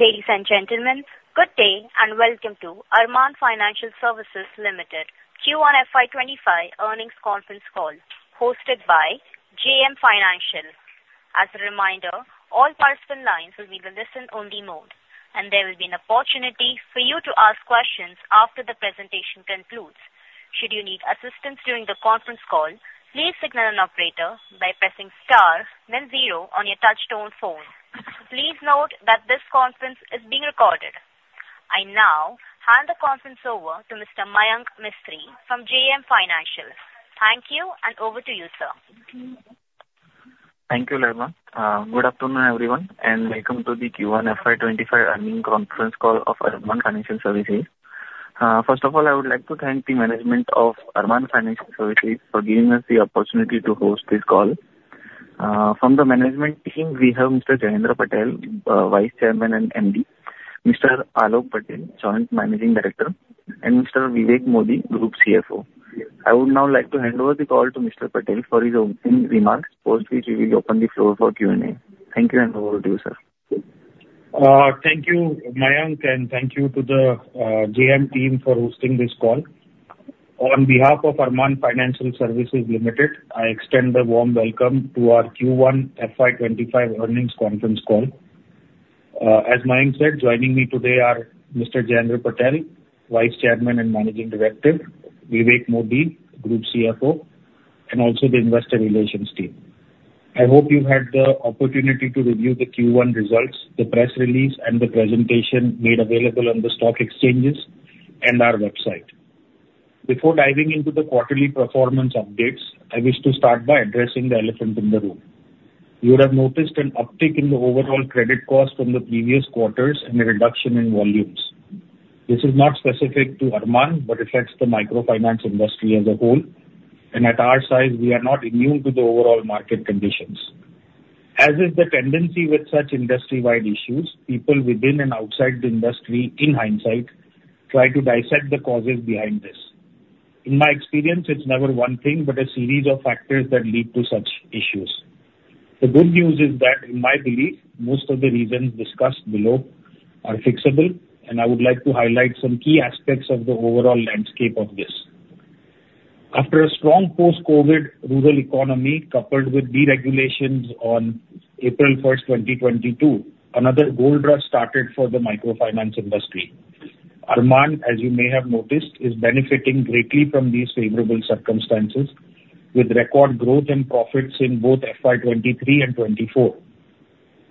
Ladies and gentlemen, good day, and welcome to Arman Financial Services Limited Q1 FY25 earnings conference call, hosted by JM Financial. As a reminder, all participant lines will be in a listen-only mode, and there will be an opportunity for you to ask questions after the presentation concludes. Should you need assistance during the conference call, please signal an operator by pressing star, then zero on your touchtone phone. Please note that this conference is being recorded. I now hand the conference over to Mr. Mayank Mistry from JM Financial. Thank you, and over to you, sir. Thank you, Laima. Good afternoon, everyone, and welcome to the Q1 FY25 earnings conference call of Arman Financial Services. First of all, I would like to thank the management of Arman Financial Services for giving us the opportunity to host this call. From the management team, we have Mr. Jayendra Patel, Vice Chairman and MD, Mr. Alok Patel, Joint Managing Director, and Mr. Vivek Modi, Group CFO. I would now like to hand over the call to Mr. Patel for his opening remarks, post which we will open the floor for Q&A. Thank you, and over to you, sir. Thank you, Mayank, and thank you to the JM team for hosting this call. On behalf of Arman Financial Services Limited, I extend a warm welcome to our Q1 FY25 earnings conference call. As Mayank said, joining me today are Mr. Jayendra Patel, Vice Chairman and Managing Director, Vivek Modi, Group CFO, and also the investor relations team. I hope you had the opportunity to review the Q1 results, the press release, and the presentation made available on the stock exchanges and our website. Before diving into the quarterly performance updates, I wish to start by addressing the elephant in the room. You would have noticed an uptick in the overall credit cost from the previous quarters and a reduction in volumes. This is not specific to Arman, but affects the microfinance industry as a whole, and at our size, we are not immune to the overall market conditions. As is the tendency with such industry-wide issues, people within and outside the industry, in hindsight, try to dissect the causes behind this. In my experience, it's never one thing, but a series of factors that lead to such issues. The good news is that, in my belief, most of the reasons discussed below are fixable, and I would like to highlight some key aspects of the overall landscape of this. After a strong post-COVID rural economy, coupled with deregulations on April 1, 2022, another gold rush started for the microfinance industry. Arman, as you may have noticed, is benefiting greatly from these favorable circumstances, with record growth and profits in both FY 2023 and 2024.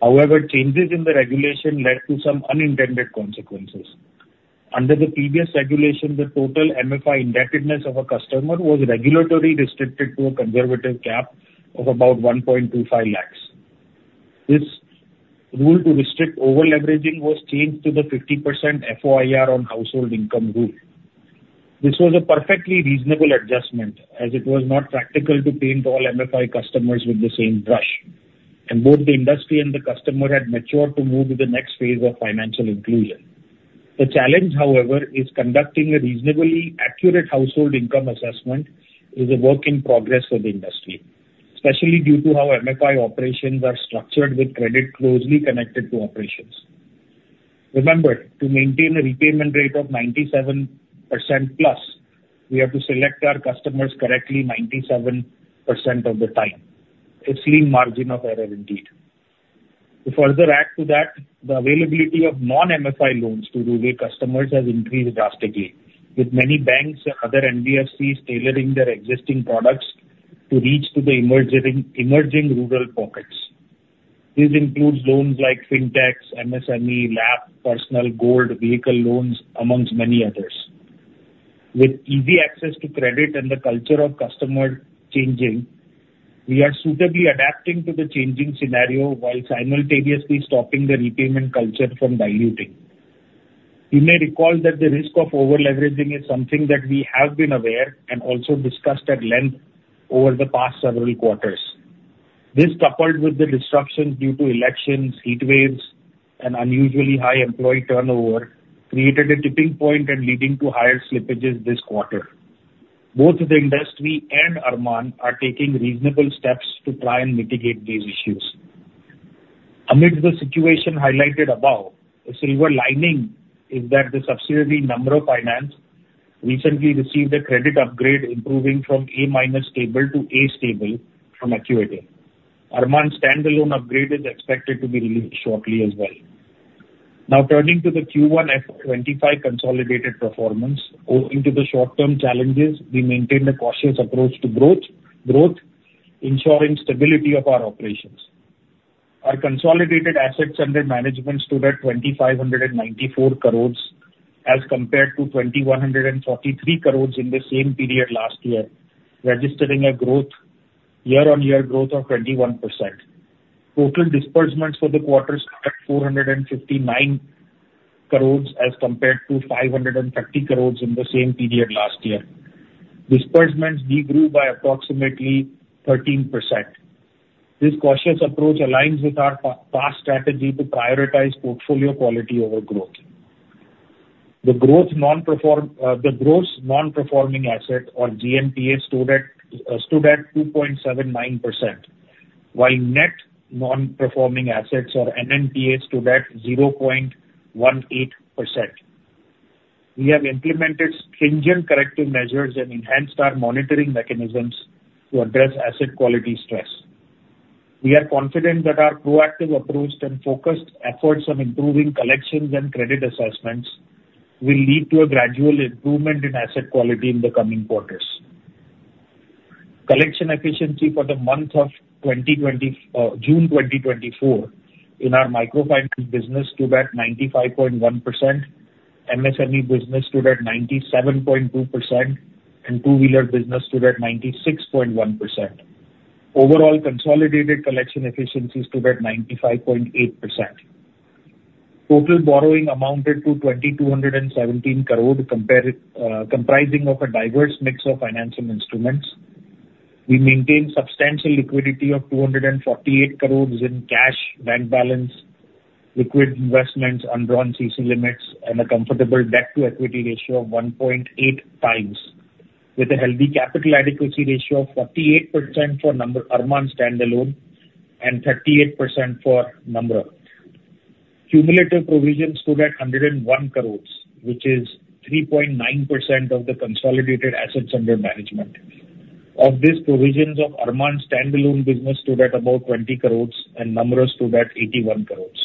However, changes in the regulation led to some unintended consequences. Under the previous regulation, the total MFI indebtedness of a customer was regulatory restricted to a conservative cap of about 1.25 lakh. This rule to restrict over-leveraging was changed to the 50% FOIR on household income rule. This was a perfectly reasonable adjustment, as it was not practical to paint all MFI customers with the same brush, and both the industry and the customer had matured to move to the next phase of financial inclusion. The challenge, however, is conducting a reasonably accurate household income assessment, is a work in progress for the industry, especially due to how MFI operations are structured with credit closely connected to operations. Remember, to maintain a repayment rate of 97%+, we have to select our customers correctly 97% of the time. A slim margin of error, indeed. To further add to that, the availability of non-MFI loans to rural customers has increased drastically, with many banks and other NBFCs tailoring their existing products to reach to the emerging, emerging rural pockets. This includes loans like FinTechs, MSME, LAP, personal, gold, vehicle loans, among many others. With easy access to credit and the culture of customer changing, we are suitably adapting to the changing scenario while simultaneously stopping the repayment culture from diluting. You may recall that the risk of over-leveraging is something that we have been aware and also discussed at length over the past several quarters. This, coupled with the disruptions due to elections, heatwaves, and unusually high employee turnover, created a tipping point and leading to higher slippages this quarter. Both the industry and Arman are taking reasonable steps to try and mitigate these issues. Amidst the situation highlighted above, a silver lining is that the subsidiary Namra Finance recently received a credit upgrade, improving from A-minus stable to A stable from Acuité. Arman's standalone upgrade is expected to be released shortly as well. Now, turning to the Q1 FY25 consolidated performance. Owing to the short-term challenges, we maintained a cautious approach to growth, ensuring stability of our operations. Our consolidated assets under management stood at 2,594 crore, as compared to 2,143 crore in the same period last year, registering a year-on-year growth of 21%. Total disbursements for the quarter stood at 459 crore, as compared to 530 crore in the same period last year. Disbursements degrew by approximately 13%. This cautious approach aligns with our past strategy to prioritize portfolio quality over growth. The gross non-performing asset or GNPA stood at 2.79%, while net non-performing assets or NNPA stood at 0.18%. We have implemented stringent corrective measures and enhanced our monitoring mechanisms to address asset quality stress. We are confident that our proactive approach and focused efforts on improving collections and credit assessments will lead to a gradual improvement in asset quality in the coming quarters. Collection efficiency for the month of June 2024 in our microfinance business stood at 95.1%, MSME business stood at 97.2%, and two-wheeler business stood at 96.1%. Overall, consolidated collection efficiency stood at 95.8%. Total borrowing amounted to 2,217 crore, compared, comprising of a diverse mix of financial instruments. We maintained substantial liquidity of 248 crores in cash, bank balance, liquid investments, undrawn CC limits, and a comfortable debt-to-equity ratio of 1.8 times, with a healthy capital adequacy ratio of 48% for Arman standalone and 38% for Namra. Cumulative provisions stood at 101 crores, which is 3.9% of the consolidated assets under management. Of this, provisions of Arman's standalone business stood at about 20 crores, and Namra stood at 81 crores.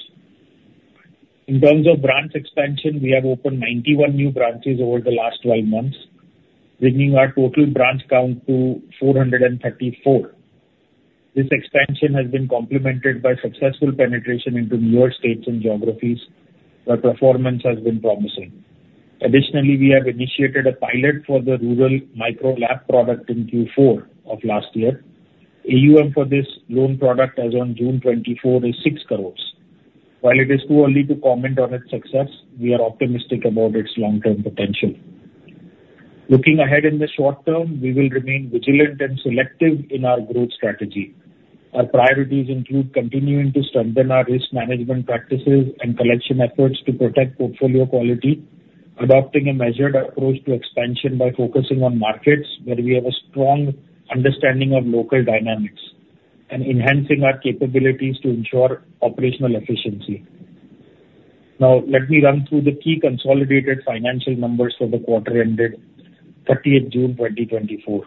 In terms of branch expansion, we have opened 91 new branches over the last 12 months, bringing our total branch count to 434. This expansion has been complemented by successful penetration into newer states and geographies, where performance has been promising. Additionally, we have initiated a pilot for the rural Micro LAP product in Q4 of last year. AUM for this loan product as on June 2024 is 6 crore. While it is too early to comment on its success, we are optimistic about its long-term potential. Looking ahead in the short term, we will remain vigilant and selective in our growth strategy. Our priorities include continuing to strengthen our risk management practices and collection efforts to protect portfolio quality, adopting a measured approach to expansion by focusing on markets where we have a strong understanding of local dynamics, and enhancing our capabilities to ensure operational efficiency. Now, let me run through the key consolidated financial numbers for the quarter ended 30th June 2024.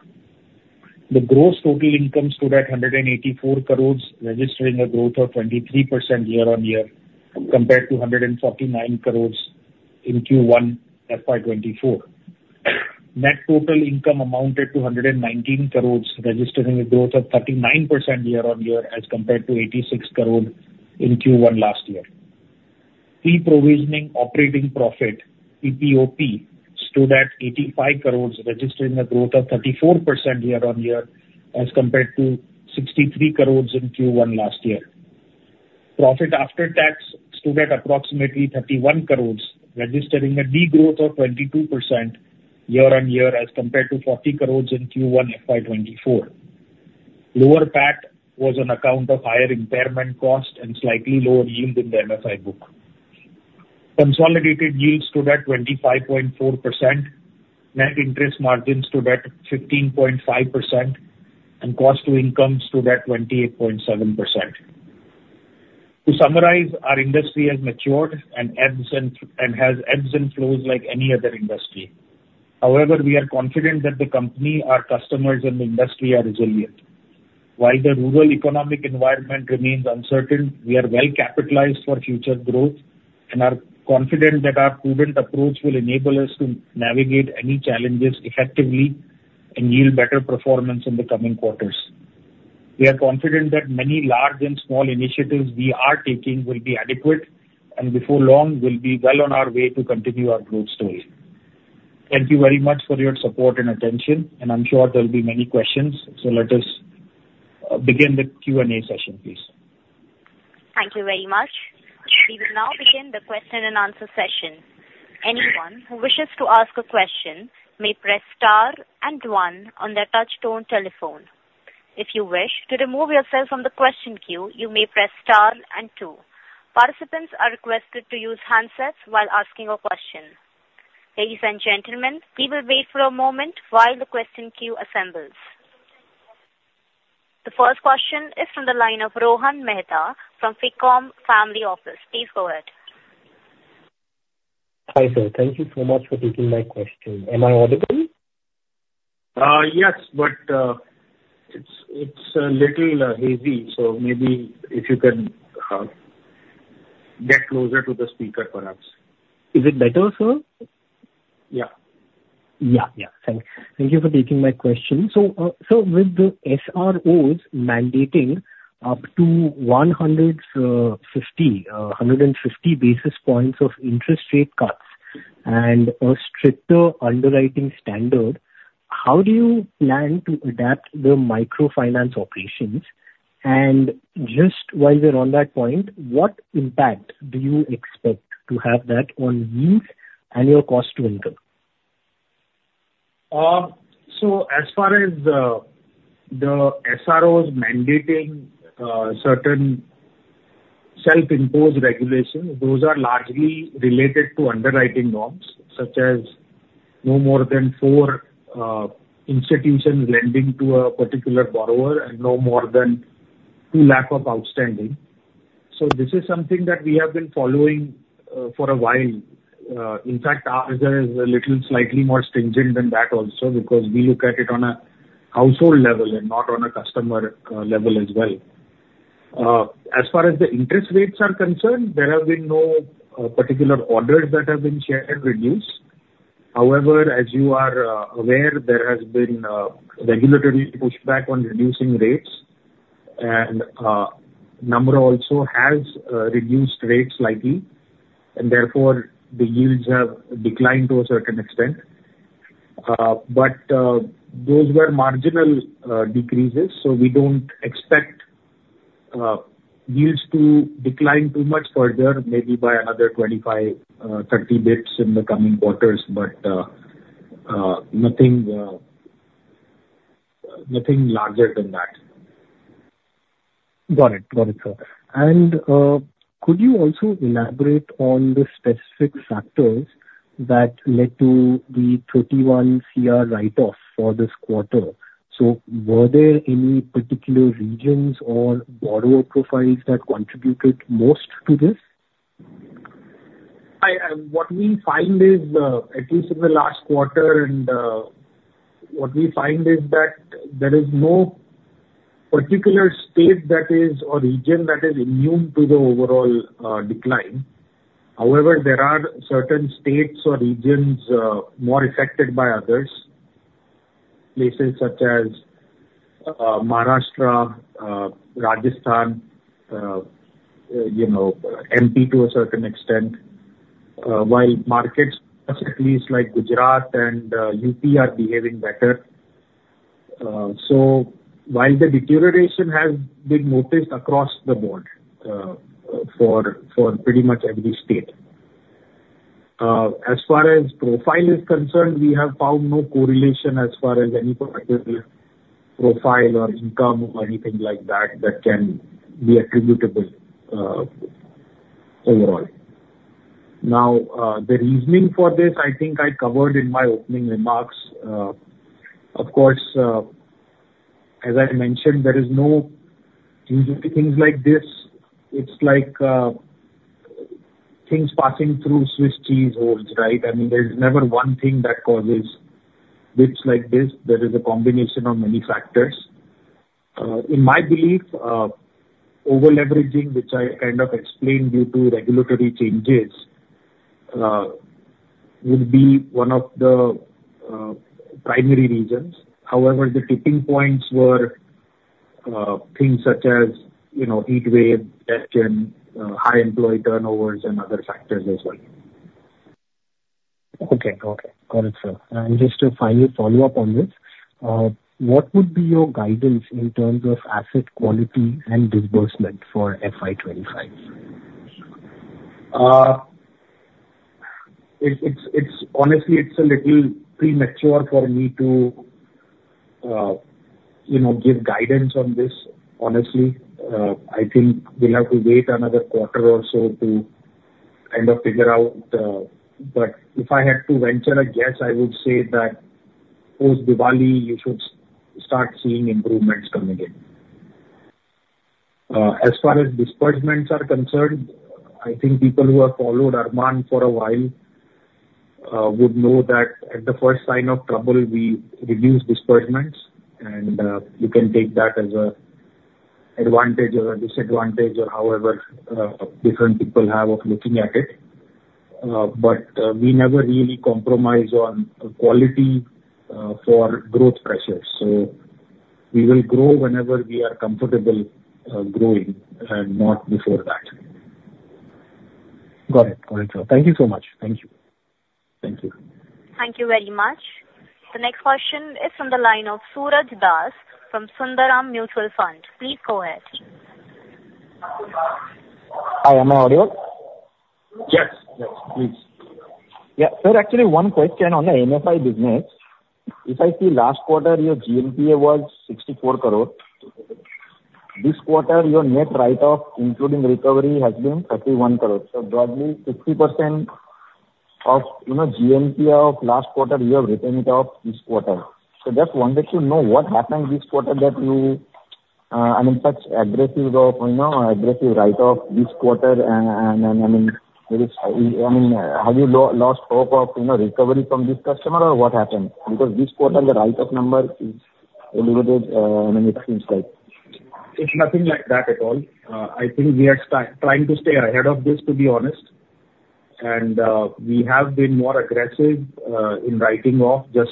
The gross total income stood at 184 crore, registering a growth of 23% year-on-year, compared to 149 crore in Q1 FY 2024. Net total income amounted to 119 crore, registering a growth of 39% year-on-year, as compared to 86 crore in Q1 last year. Pre-provisioning operating profit, PPOP, stood at 85 crore rupees, registering a growth of 34% year-on-year, as compared to 63 crore in Q1 last year. Profit after tax stood at approximately 31 crore, registering a degrowth of 22% year-on-year, as compared to 40 crore in Q1 FY 2024. Lower PAT was on account of higher impairment cost and slightly lower yield in the MFI book. Consolidated yields stood at 25.4%. Net interest margin stood at 15.5%, and cost to income stood at 28.7%. To summarize, our industry has matured and ebbs and flows like any other industry. However, we are confident that the company, our customers, and the industry are resilient. While the rural economic environment remains uncertain, we are well-capitalized for future growth and are confident that our prudent approach will enable us to navigate any challenges effectively and yield better performance in the coming quarters. We are confident that many large and small initiatives we are taking will be adequate, and before long we'll be well on our way to continue our growth story. Thank you very much for your support and attention, and I'm sure there'll be many questions. So let us begin the Q&A session, please. Thank you very much. We will now begin the question-and-answer session. Anyone who wishes to ask a question may press star and one on their touchtone telephone. If you wish to remove yourself from the question queue, you may press star and two. Participants are requested to use handsets while asking a question. Ladies and gentlemen, we will wait for a moment while the question queue assembles. The first question is from the line of Rohan Mehta from Ficom Family Office. Please go ahead. Hi, sir. Thank you so much for taking my question. Am I audible? Yes, but it's a little hazy, so maybe if you can get closer to the speaker, perhaps. Is it better, sir? Yeah. Yeah, yeah. Thank you for taking my question. So, with the SROs mandating up to 150 basis points of interest rate cuts and a stricter underwriting standard, how do you plan to adapt the microfinance operations? And just while we're on that point, what impact do you expect to have that on yields and your cost to income? ... So as far as the SROs mandating certain self-imposed regulations, those are largely related to underwriting norms, such as no more than 4 institutions lending to a particular borrower and no more than 2 lakh of outstanding. So this is something that we have been following for a while. In fact, ours is a little slightly more stringent than that also, because we look at it on a household level and not on a customer level as well. As far as the interest rates are concerned, there have been no particular orders that have been shared reduced. However, as you are aware, there has been regulatory pushback on reducing rates, and number also has reduced rates slightly, and therefore the yields have declined to a certain extent. But those were marginal decreases, so we don't expect yields to decline too much further, maybe by another 25-30 basis points in the coming quarters, but nothing larger than that. Got it. Got it, sir. And, could you also elaborate on the specific factors that led to the 31 crore write-off for this quarter? So were there any particular regions or borrower profiles that contributed most to this? What we find is, at least in the last quarter, and what we find is that there is no particular state that is, or region that is immune to the overall decline. However, there are certain states or regions, more affected by others. Places such as Maharashtra, Rajasthan, you know, MP to a certain extent, while markets, especially like Gujarat and UP, are behaving better. So while the deterioration has been noticed across the board, for pretty much every state. As far as profile is concerned, we have found no correlation as far as any particular profile or income or anything like that, that can be attributable overall. Now, the reasoning for this, I think I covered in my opening remarks. Of course, as I mentioned, there is no usually things like this. It's like, things passing through Swiss cheese holes, right? I mean, there's never one thing that causes bits like this. There is a combination of many factors. In my belief, over-leveraging, which I kind of explained due to regulatory changes, would be one of the primary reasons. However, the tipping points were things such as, you know, heat wave, debt gen, high employee turnovers, and other factors as well. Okay. Okay. Got it, sir. And just to finally follow up on this, what would be your guidance in terms of asset quality and disbursement for FY25? It's honestly a little premature for me to, you know, give guidance on this, honestly. I think we'll have to wait another quarter or so to kind of figure out... But if I had to venture a guess, I would say that post-Diwali, you should start seeing improvements coming in. As far as disbursements are concerned, I think people who have followed Arman for a while would know that at the first sign of trouble, we reduce disbursements, and you can take that as a advantage or a disadvantage or however different people have of looking at it. But we never really compromise on quality for growth pressures. So we will grow whenever we are comfortable growing, and not before that. Got it. Got it, sir. Thank you so much. Thank you. Thank you. Thank you very much. The next question is from the line of Suraj Das, from Sundaram Mutual Fund. Please go ahead. Hi, am I audio? Yes, yes, please. Yeah. So actually, one question on the MFI business. If I see last quarter, your GNPA was 64 crore. This quarter, your net write-off, including recovery, has been 31 crores. So broadly, 50% of, you know, GNPA of last quarter, you have written it off this quarter. So just wanted to know what happened this quarter that you, I mean, such aggressive write-off this quarter, and, I mean, it is, I mean, have you lost hope of, you know, recovery from this customer or what happened? Because this quarter, the write-off number is a little bit, I mean, it seems like. It's nothing like that at all. I think we are trying to stay ahead of this, to be honest. And, we have been more aggressive, in writing off, just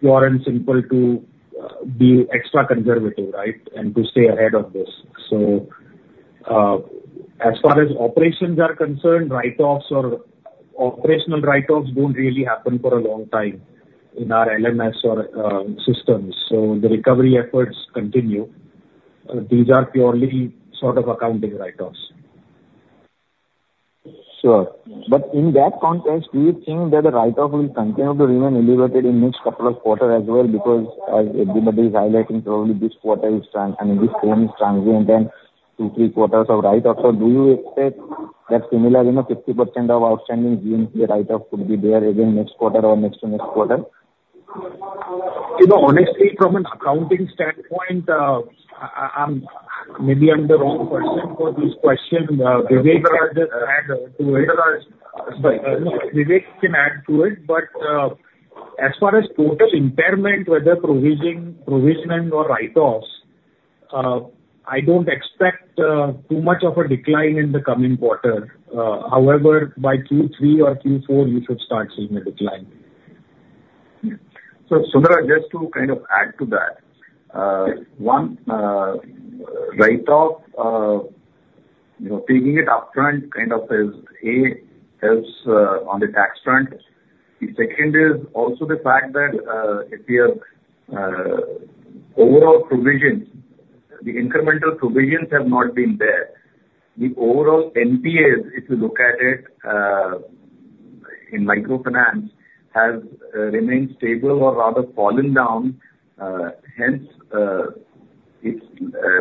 pure and simple, to, be extra conservative, right? And to stay ahead of this. So, as far as operations are concerned, write-offs or operational write-offs don't really happen for a long time in our LMS or, systems, so the recovery efforts continue. These are purely sort of accounting write-offs.... Sure. But in that context, do you think that the write-off will continue to remain elevated in next couple of quarters as well? Because everybody is highlighting probably this quarter is trans- I mean, this trend is transient and 2, 3 quarters of write-off. So do you expect that similar, you know, 50% of outstanding GMV write-off could be there again next quarter or next-to-next quarter? You know, honestly, from an accounting standpoint, I'm maybe I'm the wrong person for this question. Vivek rather add to it, or Vivek can add to it. But, as far as total impairment, whether provision, provision or write-offs, I don't expect too much of a decline in the coming quarter. However, by Q3 or Q4, you should start seeing a decline. So Suraj, just to kind of add to that, one, write-off, you know, taking it upfront kind of is, a, helps on the tax front. The second is also the fact that, if we have overall provisions, the incremental provisions have not been there. The overall NPAs, if you look at it, in microfinance, has remained stable or rather fallen down. Hence, it's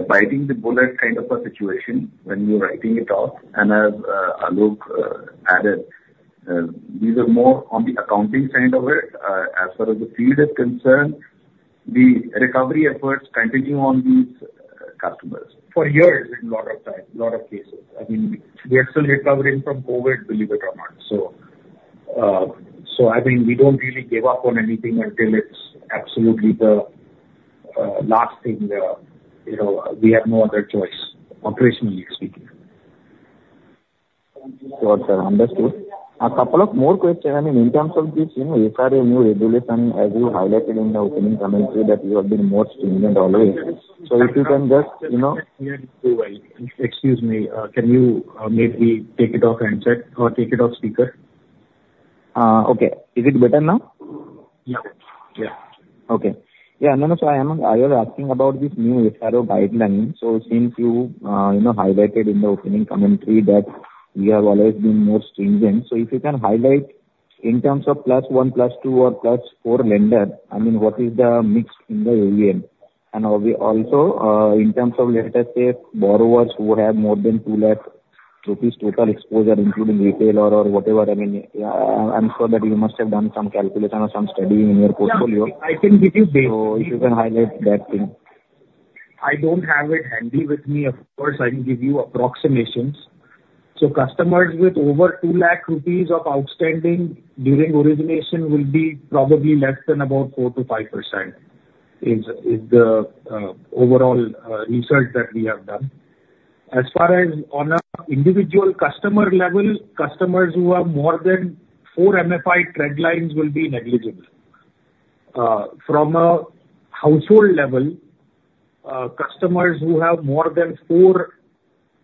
biting the bullet kind of a situation when you're writing it off. And as Alok added, these are more on the accounting side of it. As far as the field is concerned, the recovery efforts continue on these customers. For years in lot of time, lot of cases, I mean, we are still recovering from COVID, believe it or not. So, so I mean, we don't really give up on anything until it's absolutely the last thing, you know, we have no other choice, operationally speaking. Sure, sir. Understood. A couple of more question. I mean, in terms of this, you know, SRO new regulation, as you highlighted in the opening commentary, that you have been more stringent always. So if you can just, you know- Excuse me, can you maybe take it off handset or take it off speaker? Okay. Is it better now? Yeah. Yeah. Okay. Yeah, no, no, so I was asking about this new FOIR guideline. So since you, you know, highlighted in the opening commentary that you have always been more stringent, so if you can highlight in terms of plus one, plus two or plus four lender, I mean, what is the mix in the AUM? And also, in terms of, let us say, borrowers who have more than INR 200,000 total exposure, including retail or whatever, I mean, I'm sure that you must have done some calculation or some study in your portfolio. Yeah, I can give you the- If you can highlight that thing. I don't have it handy with me. Of course, I can give you approximations. So customers with over INR 200,000 of outstanding during origination will be probably less than about 4%-5%, is the overall research that we have done. As far as on an individual customer level, customers who have more than four MFI lenders will be negligible. From a household level, customers who have more than four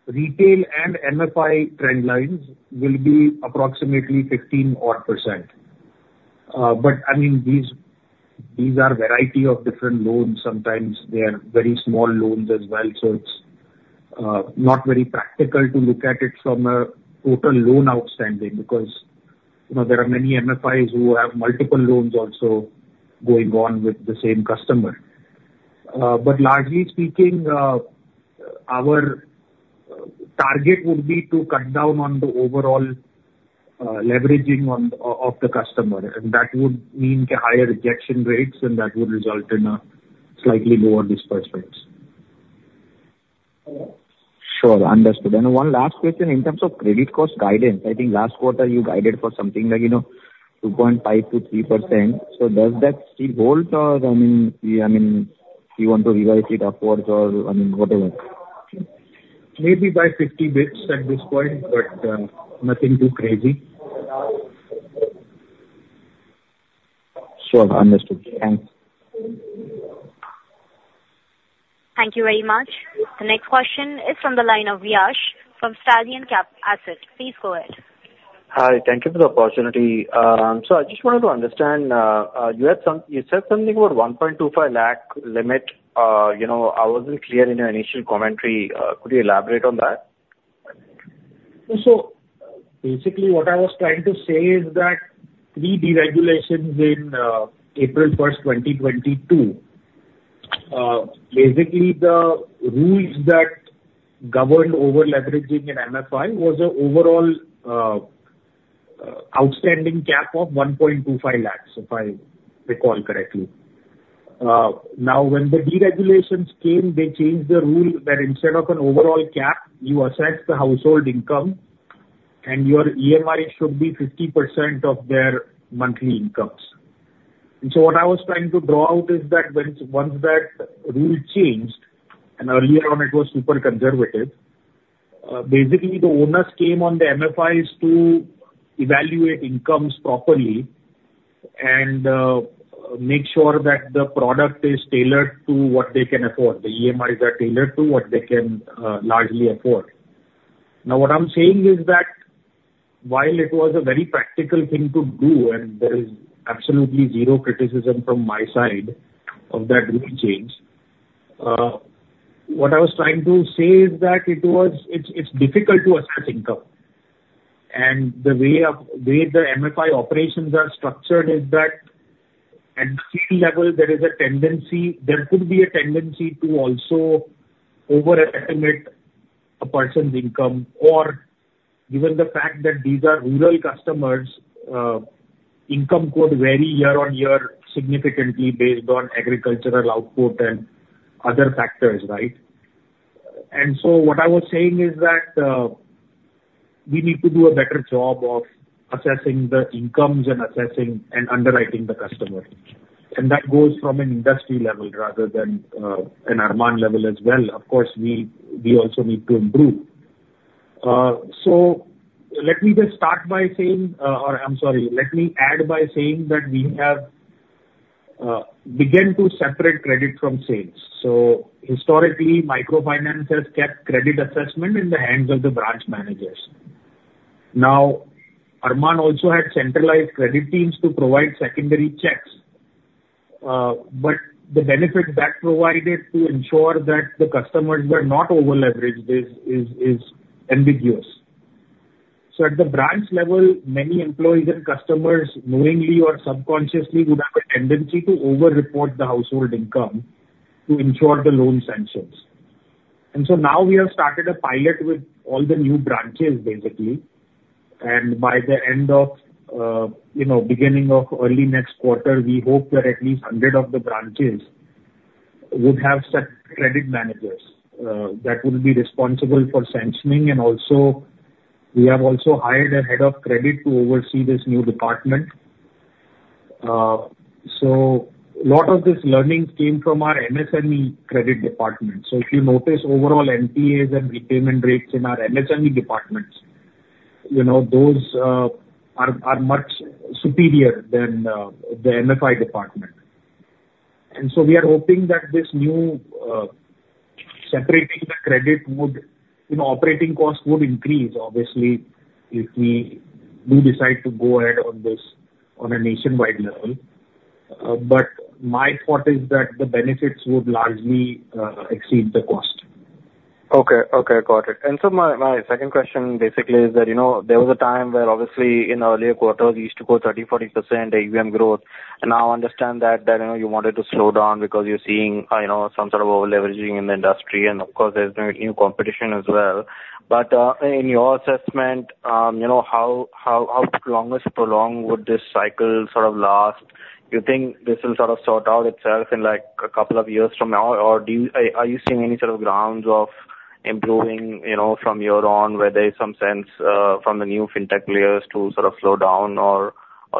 retail and MFI lenders will be approximately 15-odd%. But I mean, these are a variety of different loans. Sometimes they are very small loans as well, so it's not very practical to look at it from a total loan outstanding, because, you know, there are many MFIs who have multiple loans also going on with the same customer. But largely speaking, our target would be to cut down on the overall leveraging of the customer. And that would mean higher rejection rates, and that would result in a slightly lower disbursement. Sure. Understood. And one last question, in terms of credit cost guidance, I think last quarter you guided for something like, you know, 2.5%-3%. So does that still hold, or I mean, yeah, I mean, you want to revise it upwards or, I mean, whatever? Maybe by 50 bits at this point, but nothing too crazy. Sure. Understood. Thanks. Thank you very much. The next question is from the line of Yash from Stallion Asset. Please go ahead. Hi, thank you for the opportunity. I just wanted to understand, you had some... You said something about 1.25 lakh limit. You know, I wasn't clear in your initial commentary. Could you elaborate on that? So, basically what I was trying to say is that pre-deregulation in April 1, 2022, basically the rules that governed over-leveraging an MFI was an overall outstanding cap of 1.25 lakh, if I recall correctly. Now, when the deregulations came, they changed the rule where instead of an overall cap, you assess the household income, and your EMI should be 50% of their monthly incomes. And so what I was trying to draw out is that once that rule changed, and earlier on it was super conservative, basically the owners came on the MFIs to evaluate incomes properly and make sure that the product is tailored to what they can afford, the EMIs are tailored to what they can largely afford. Now, what I'm saying is that while it was a very practical thing to do, and there is absolutely zero criticism from my side of that rule change. What I was trying to say is that it's difficult to assess income. And the way the MFI operations are structured is that at field level, there could be a tendency to also overestimate a person's income, or given the fact that these are rural customers, income could vary year-on-year significantly based on agricultural output and other factors, right? And so what I was saying is that we need to do a better job of assessing the incomes and assessing and underwriting the customer. And that goes from an industry level rather than an Arman level as well. Of course, we also need to improve. So let me just start by saying, or I'm sorry, let me add by saying that we have begun to separate credit from sales. So historically, microfinance has kept credit assessment in the hands of the branch managers. Now, Arman also had centralized credit teams to provide secondary checks, but the benefit that provided to ensure that the customers were not over-leveraged is ambiguous. So at the branch level, many employees and customers, knowingly or subconsciously, would have a tendency to over-report the household income to ensure the loan sanctions. And so now we have started a pilot with all the new branches, basically. By the end of, you know, beginning of early next quarter, we hope that at least 100 of the branches would have set credit managers, that will be responsible for sanctioning, and also, we have also hired a head of credit to oversee this new department. So a lot of this learnings came from our MSME credit department. So if you notice, overall NPAs and repayment rates in our MSME departments, you know, those, are much superior than, the MFI department. And so we are hoping that this new, separating the credit would, you know, operating costs would increase, obviously, if we do decide to go ahead on this on a nationwide level. But my thought is that the benefits would largely, exceed the cost. Okay. Okay, got it. And so my second question basically is that, you know, there was a time where obviously in the earlier quarters, you used to go 30, 40% AUM growth. And I understand that, you know, you wanted to slow down because you're seeing, you know, some sort of over-leveraging in the industry, and of course, there's new competition as well. But, in your assessment, you know, how long is prolonged would this cycle sort of last? You think this will sort of sort out itself in, like, a couple of years from now? Or do you... Are you seeing any sort of grounds of improving, you know, from year on, where there is some sense from the new fintech players to sort of slow down or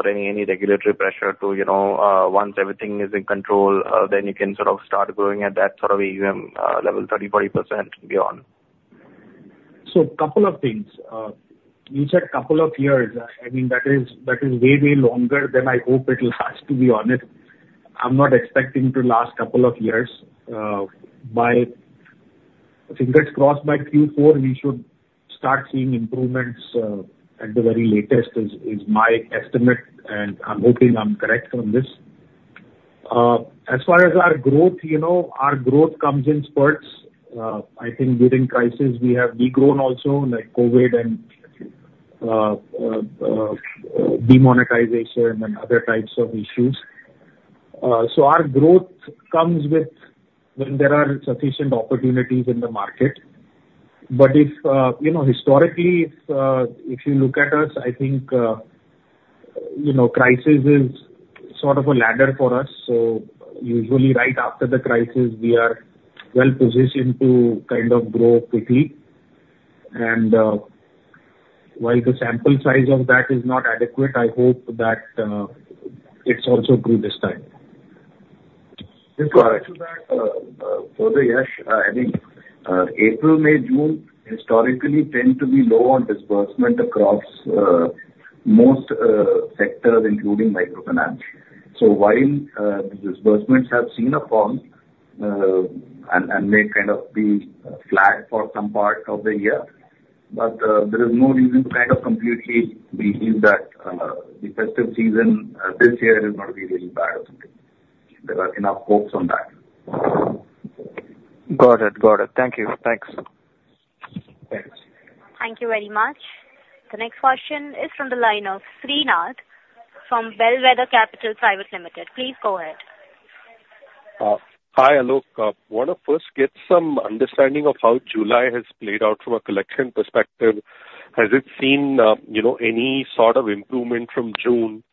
any regulatory pressure to, you know, once everything is in control, then you can sort of start growing at that sort of AUM level, 30, 40% and beyond? So, a couple of things. You said a couple of years. I mean, that is, that is way, way longer than I hope it will last, to be honest. I'm not expecting to last a couple of years. Fingers crossed, by Q4, we should start seeing improvements, at the very latest. That is my estimate, and I'm hoping I'm correct on this. As far as our growth, you know, our growth comes in spurts. I think during crisis, we have de-grown also, like COVID and demonetization and other types of issues. So our growth comes with when there are sufficient opportunities in the market. But, you know, historically, if you look at us, I think, you know, crisis is sort of a ladder for us. So usually right after the crisis, we are well positioned to kind of grow quickly. And, while the sample size of that is not adequate, I hope that, it's also true this time. Just to add to that, further, Yash, I think April, May, June historically tend to be low on disbursement across most sectors, including microfinance. So while the disbursements have seen a fall, and may kind of be flat for some part of the year, but there is no reason to kind of completely believe that the festive season this year is going to be really bad. There are enough hopes on that. Got it. Got it. Thank you. Thanks. Thanks. Thank you very much. The next question is from the line of Srinath from Bellwether Capital Private Limited. Please go ahead. Hi, Alok. Want to first get some understanding of how July has played out from a collection perspective. Has it seen, you know, any sort of improvement from June?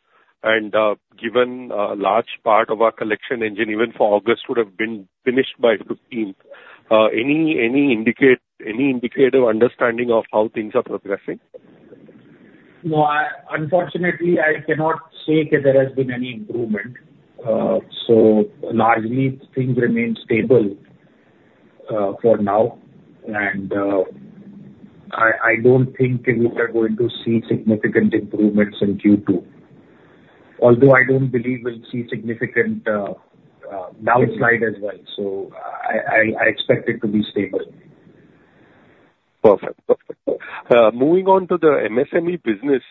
And given a large part of our collection engine, even for August, would have been finished by fifteenth. Any indicative understanding of how things are progressing? No, unfortunately, I cannot say that there has been any improvement. So largely things remain stable for now, and I don't think we are going to see significant improvements in Q2. Although, I don't believe we'll see significant downslide as well. So I expect it to be stable. ...Perfect. Perfect. Moving on to the MSME business,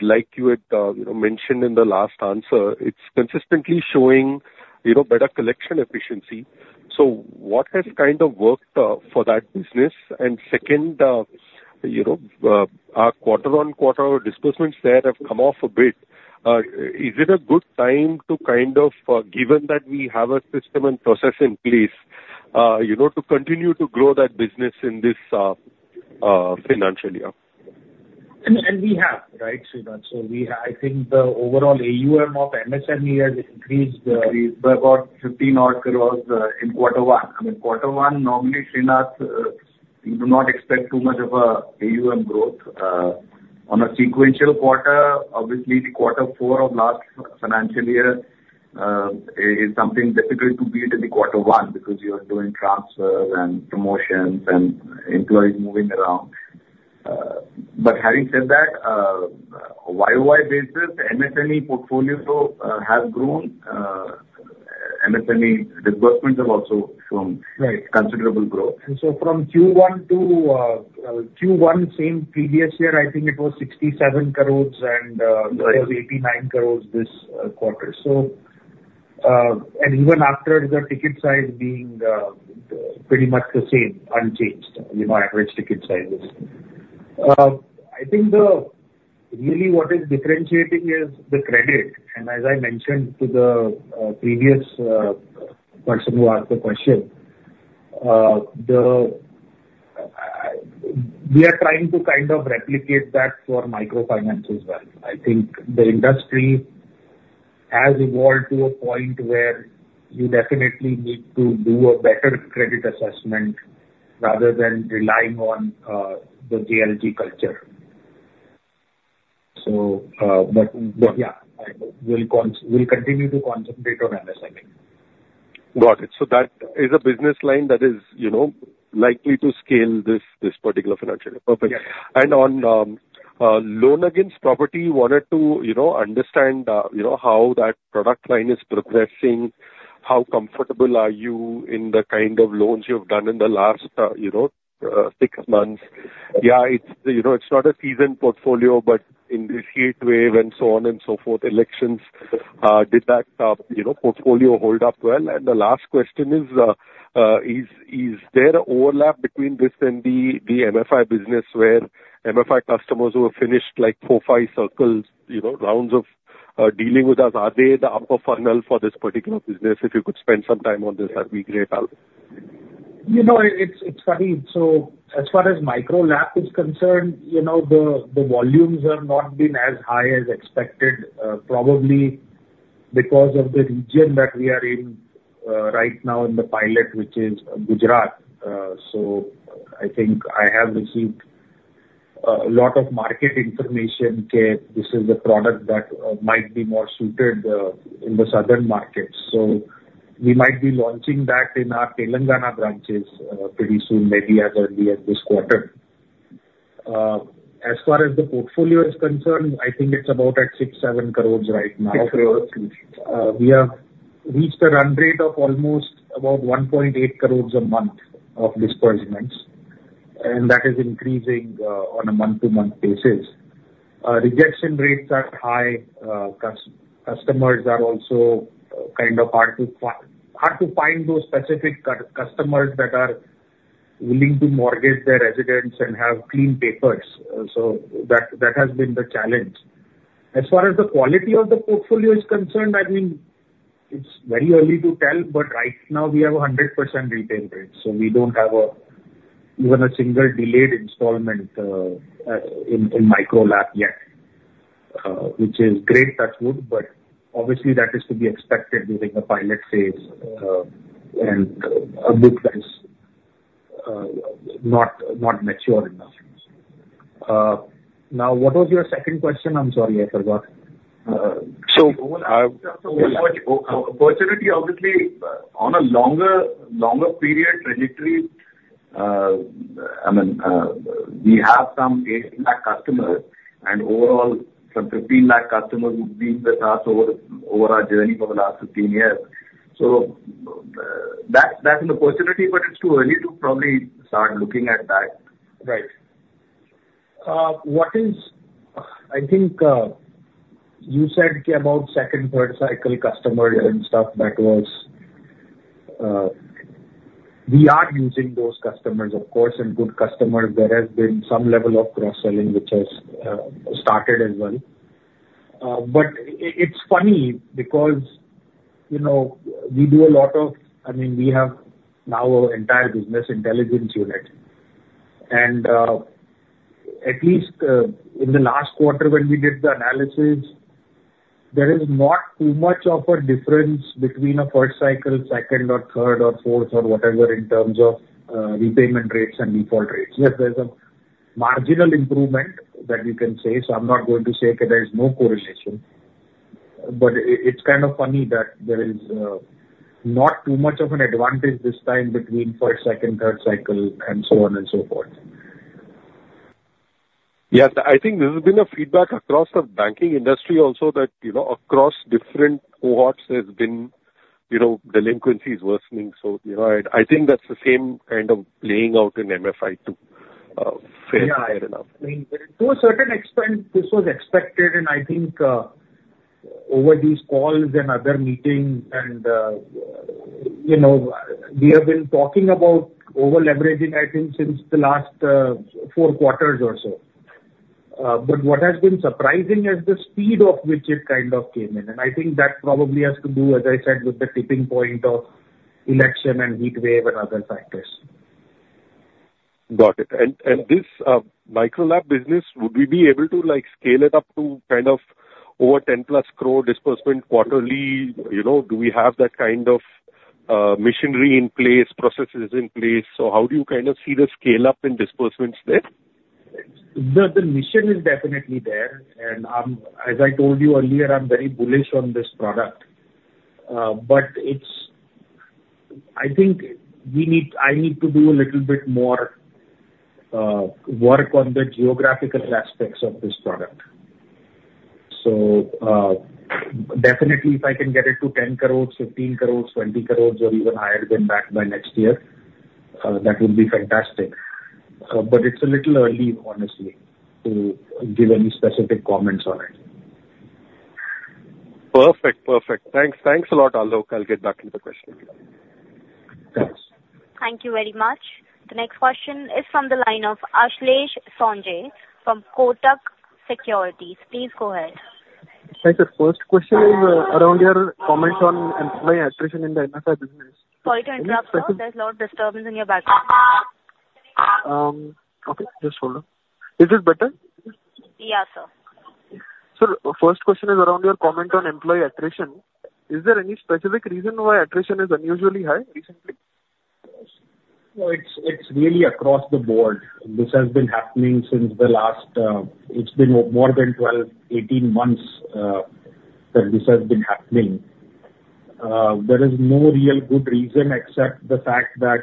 like you had, you know, mentioned in the last answer, it's consistently showing, you know, better collection efficiency. So what has kind of worked for that business? And second, you know, our quarter-on-quarter disbursements there have come off a bit. Is it a good time to kind of, given that we have a system and process in place, you know, to continue to grow that business in this financial year? We have, right, Srinath? So we have—I think the overall AUM of MSME has increased by about 50 north crores in quarter one. I mean, quarter one, normally, Srinath, you do not expect too much of a AUM growth. On a sequential quarter, obviously, the quarter four of last financial year is something difficult to beat in the quarter one, because you are doing transfers and promotions and employees moving around. But having said that, y-o-y basis, MSME portfolio has grown. MSME disbursements have also shown- Right. -considerable growth. And so from Q1 to Q1 same previous year, I think it was 67 crore and Right. It was 89 crore this quarter. So, and even after the ticket size being pretty much the same, unchanged, you know, average ticket sizes. I think, really, what is differentiating is the credit, and as I mentioned to the previous person who asked the question, we are trying to kind of replicate that for microfinance as well. I think the industry has evolved to a point where you definitely need to do a better credit assessment, rather than relying on the JLG culture. So, but, but, yeah, I, we'll continue to concentrate on MSME. Got it. So that is a business line that is, you know, likely to scale this particular financial year. Perfect. Yes. On loan against property, wanted to, you know, understand, you know, how that product line is progressing, how comfortable are you in the kind of loans you've done in the last, you know, 6 months? Yeah, it's, you know, it's not a seasoned portfolio, but in this heatwave and so on and so forth, elections, did that, you know, portfolio hold up well? And the last question is, is, is there an overlap between this and the, the MFI business, where MFI customers who have finished, like, 4, 5 circles, you know, rounds of, dealing with us, are they the upper funnel for this particular business? If you could spend some time on this, that'd be great, pal. You know, it's funny. So as far as micro LAP is concerned, you know, the volumes have not been as high as expected, probably because of the region that we are in right now in the pilot, which is Gujarat. So I think I have received a lot of market information, that this is a product that might be more suited in the southern markets. So we might be launching that in our Telangana branches pretty soon, maybe as early as this quarter. As far as the portfolio is concerned, I think it's about 6-7 crore INR right now. Six crores. We have reached a run rate of almost about 1.8 crores a month of disbursements, and that is increasing on a month-to-month basis. Rejection rates are high. Customers are also kind of hard to find those specific customers that are willing to mortgage their residence and have clean papers. So that, that has been the challenge. As far as the quality of the portfolio is concerned, I mean, it's very early to tell, but right now we have a 100% retail rate, so we don't have even a single delayed installment in Micro LAP yet, which is great, touch wood, but obviously that is to be expected during a pilot phase and a book that is not mature enough. Now, what was your second question? I'm sorry, I forgot. So, Opportunity, obviously, on a longer period trajectory, I mean, we have some 18 lakh customers, and overall, some 15 lakh customers would be with us over our journey for the last 15 years. So, that, that's an opportunity, but it's too early to probably start looking at that. Right. I think you said about second, third cycle customer and stuff that was, we are using those customers, of course, and good customers. There has been some level of cross-selling, which has started as well. But it's funny because, you know, we do a lot of... I mean, we have now our entire business intelligence unit. And at least in the last quarter when we did the analysis, there is not too much of a difference between a first cycle, second or third or fourth, or whatever, in terms of repayment rates and default rates. Yes, there's a marginal improvement that you can say, so I'm not going to say that there is no correlation, but it's kind of funny that there is not too much of an advantage this time between first, second, third cycle, and so on and so forth. Yes, I think this has been a feedback across the banking industry also that, you know, across different cohorts, there's been, you know, delinquencies worsening. So, you know, I, I think that's the same kind of playing out in MFI, too, fair enough. Yeah. I mean, to a certain extent, this was expected, and I think, over these calls and other meetings and, you know, we have been talking about over-leveraging, I think, since the last four quarters or so. But what has been surprising is the speed of which it kind of came in, and I think that probably has to do, as I said, with the tipping point of election and heat wave and other factors. Got it. And, and this, Micro LAP business, would we be able to, like, scale it up to kind of over 10+ crore disbursement quarterly? You know, do we have that kind of, machinery in place, processes in place? So how do you kind of see the scale-up in disbursements there? The mission is definitely there, and I'm, as I told you earlier, I'm very bullish on this product. But it's... I think we need, I need to do a little bit more work on the geographical aspects of this product. So, definitely, if I can get it to 10 crores, 15 crores, 20 crores or even higher than that by next year, that would be fantastic. But it's a little early, honestly, to give any specific comments on it. Perfect. Perfect. Thanks. Thanks a lot, Alok. I'll get back with the question. Thanks. Thank you very much. The next question is from the line of Ashlesh Sonje from Kotak Securities. Please go ahead. Thanks. The first question is around your comments on employee attrition in the MFI business. Sorry to interrupt, sir. There's a lot of disturbance in your background. Okay, just hold on. Is this better? Yeah, sir. Sir, first question is around your comment on employee attrition. Is there any specific reason why attrition is unusually high recently? No, it's, it's really across the board. This has been happening since the last, it's been more than 12, 18 months, that this has been happening. There is no real good reason except the fact that,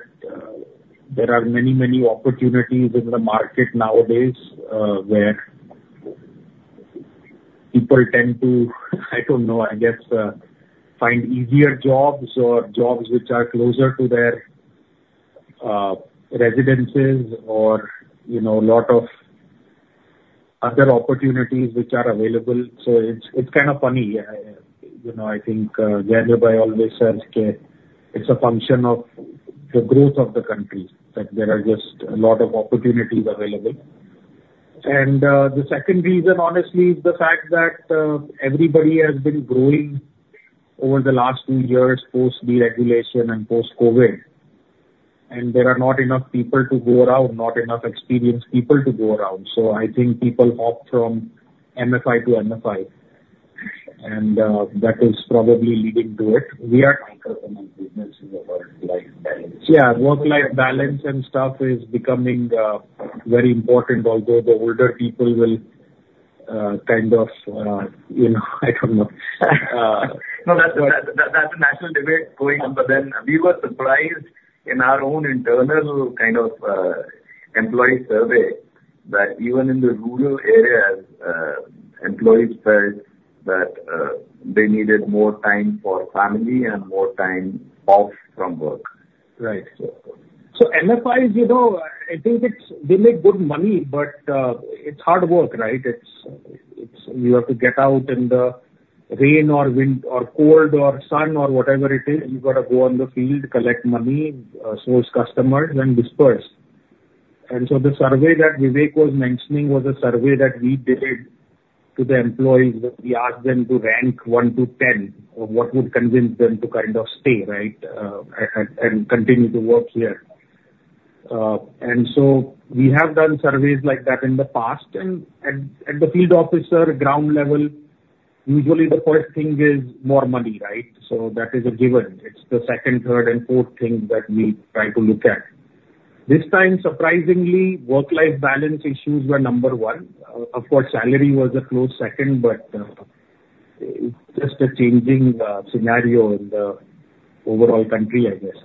there are many, many opportunities in the market nowadays, where people tend to, I don't know, I guess, find easier jobs or jobs which are closer to their, residences or, you know, lot of other opportunities which are available. So it's, it's kind of funny. You know, I think, Jayendrabhai always says, "Okay, it's a function of the growth of the country," that there are just a lot of opportunities available. The second reason, honestly, is the fact that everybody has been growing over the last two years, post deregulation and post-COVID, and there are not enough people to go around, not enough experienced people to go around. So I think people opt from MFI to MFI, and that is probably leading to it. We are- Microfinance business is a work-life balance. Yeah, work-life balance and stuff is becoming very important, although the older people will kind of you know, I don't know. No, that, that's a natural debate going on. But then we were surprised in our own internal kind of employee survey that even in the rural areas employees felt that they needed more time for family and more time off from work. Right. So, MFIs, you know, I think it's, they make good money, but, it's hard work, right? It's... You have to get out in the rain or wind or cold or sun or whatever it is. You've got to go on the field, collect money, source customers, and disburse. And so the survey that Vivek was mentioning was a survey that we did to the employees, that we asked them to rank 1 to 10 of what would convince them to kind of stay, right, and continue to work here. And so we have done surveys like that in the past, and at the field officer ground level, usually the first thing is more money, right? So that is a given. It's the second, third and fourth thing that we try to look at. This time, surprisingly, work-life balance issues were number one. Of course, salary was a close second, but it's just a changing scenario in the overall country, I guess.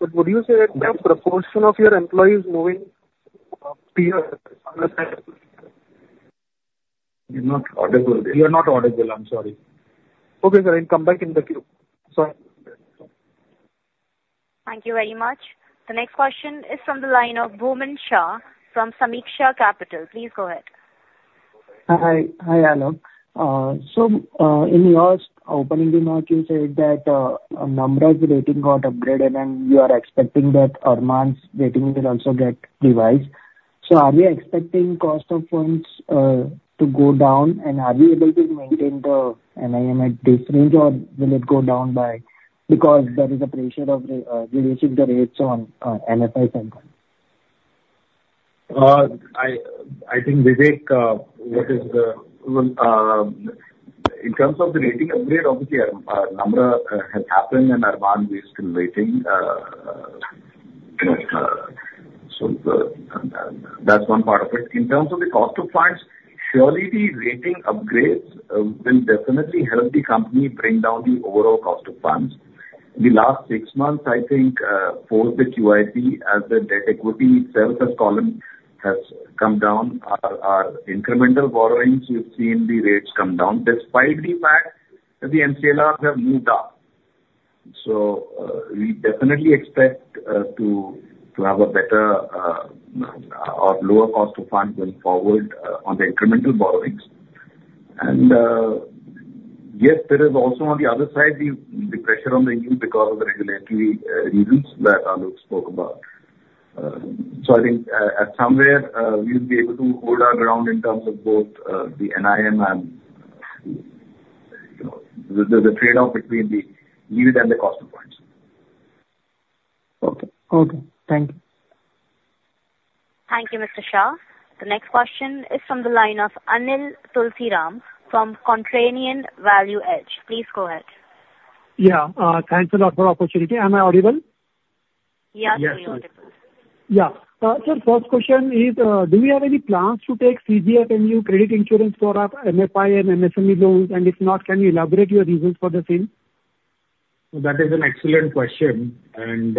But would you say that the proportion of your employees moving, to your- You're not audible. You are not audible. I'm sorry. Okay, sir. I'll come back in the queue. Sorry. Thank you very much. The next question is from the line of Bhavin Shah from Sameeksha Capital. Please go ahead. Hi. Hi, Alok. So, in your opening remark, you said that, Namra's rating got upgraded, and you are expecting that Arman's rating will also get revised. So are we expecting cost of funds to go down, and are we able to maintain the NIM at this range, or will it go down by... Because there is a pressure of reducing the rates on MFI companies. I think, Vivek. In terms of the rating upgrade, obviously, Namra has happened, and Arman, we are still waiting. So, that's one part of it. In terms of the cost of funds, surely the rating upgrades will definitely help the company bring down the overall cost of funds. In the last six months, I think, for the QIP, as the debt equity itself, the quantum has come down. Our incremental borrowings, you've seen the rates come down, despite the fact that the MCLRs have moved up. So, we definitely expect to have a better or lower cost to fund going forward on the incremental borrowings. Yes, there is also on the other side the pressure on the yield because of the regulatory reasons that Alok spoke about. So I think at somewhere we'll be able to hold our ground in terms of both the NIM and, you know, the trade-off between the yield and the cost of funds. Okay. Okay. Thank you. Thank you, Mr. Shah. The next question is from the line of Anil Tulsiram from Contrarian ValueEdge. Please go ahead. Yeah. Thanks a lot for the opportunity. Am I audible? Yes, you are audible. Yes. Yeah. So first question is, do we have any plans to take CGS and new credit insurance for our MFI and MSME loans? And if not, can you elaborate your reasons for the same? That is an excellent question, and,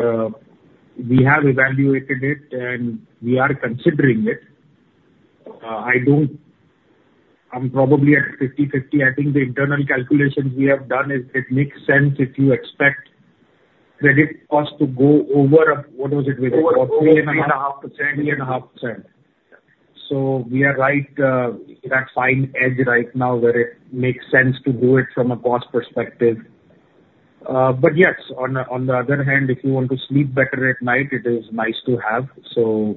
we have evaluated it, and we are considering it. I don't... I'm probably at 50/50. I think the internal calculations we have done is, it makes sense if you expect credit cost to go over, what was it, Vivek? Over 3.5%. 3.5%. So we are right in that fine edge right now, where it makes sense to do it from a cost perspective. But yes, on the other hand, if you want to sleep better at night, it is nice to have. So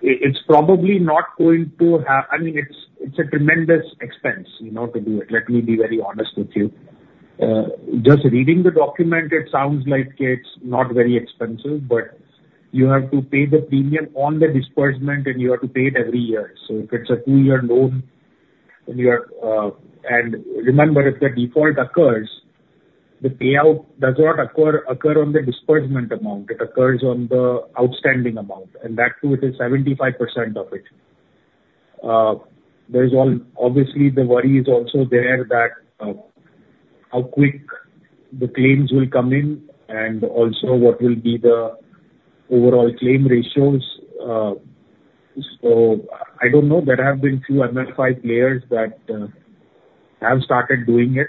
it's probably not going to, I mean, it's a tremendous expense, you know, to do it, let me be very honest with you. Just reading the document, it sounds like it's not very expensive, but you have to pay the premium on the disbursement, and you have to pay it every year. So if it's a two-year loan and you are... And remember, if the default occurs, the payout does not occur on the disbursement amount, it occurs on the outstanding amount, and that, too, is 75% of it. There is obviously the worry is also there that how quick the claims will come in and also what will be the overall claim ratios. So I don't know. There have been few identified players that have started doing it,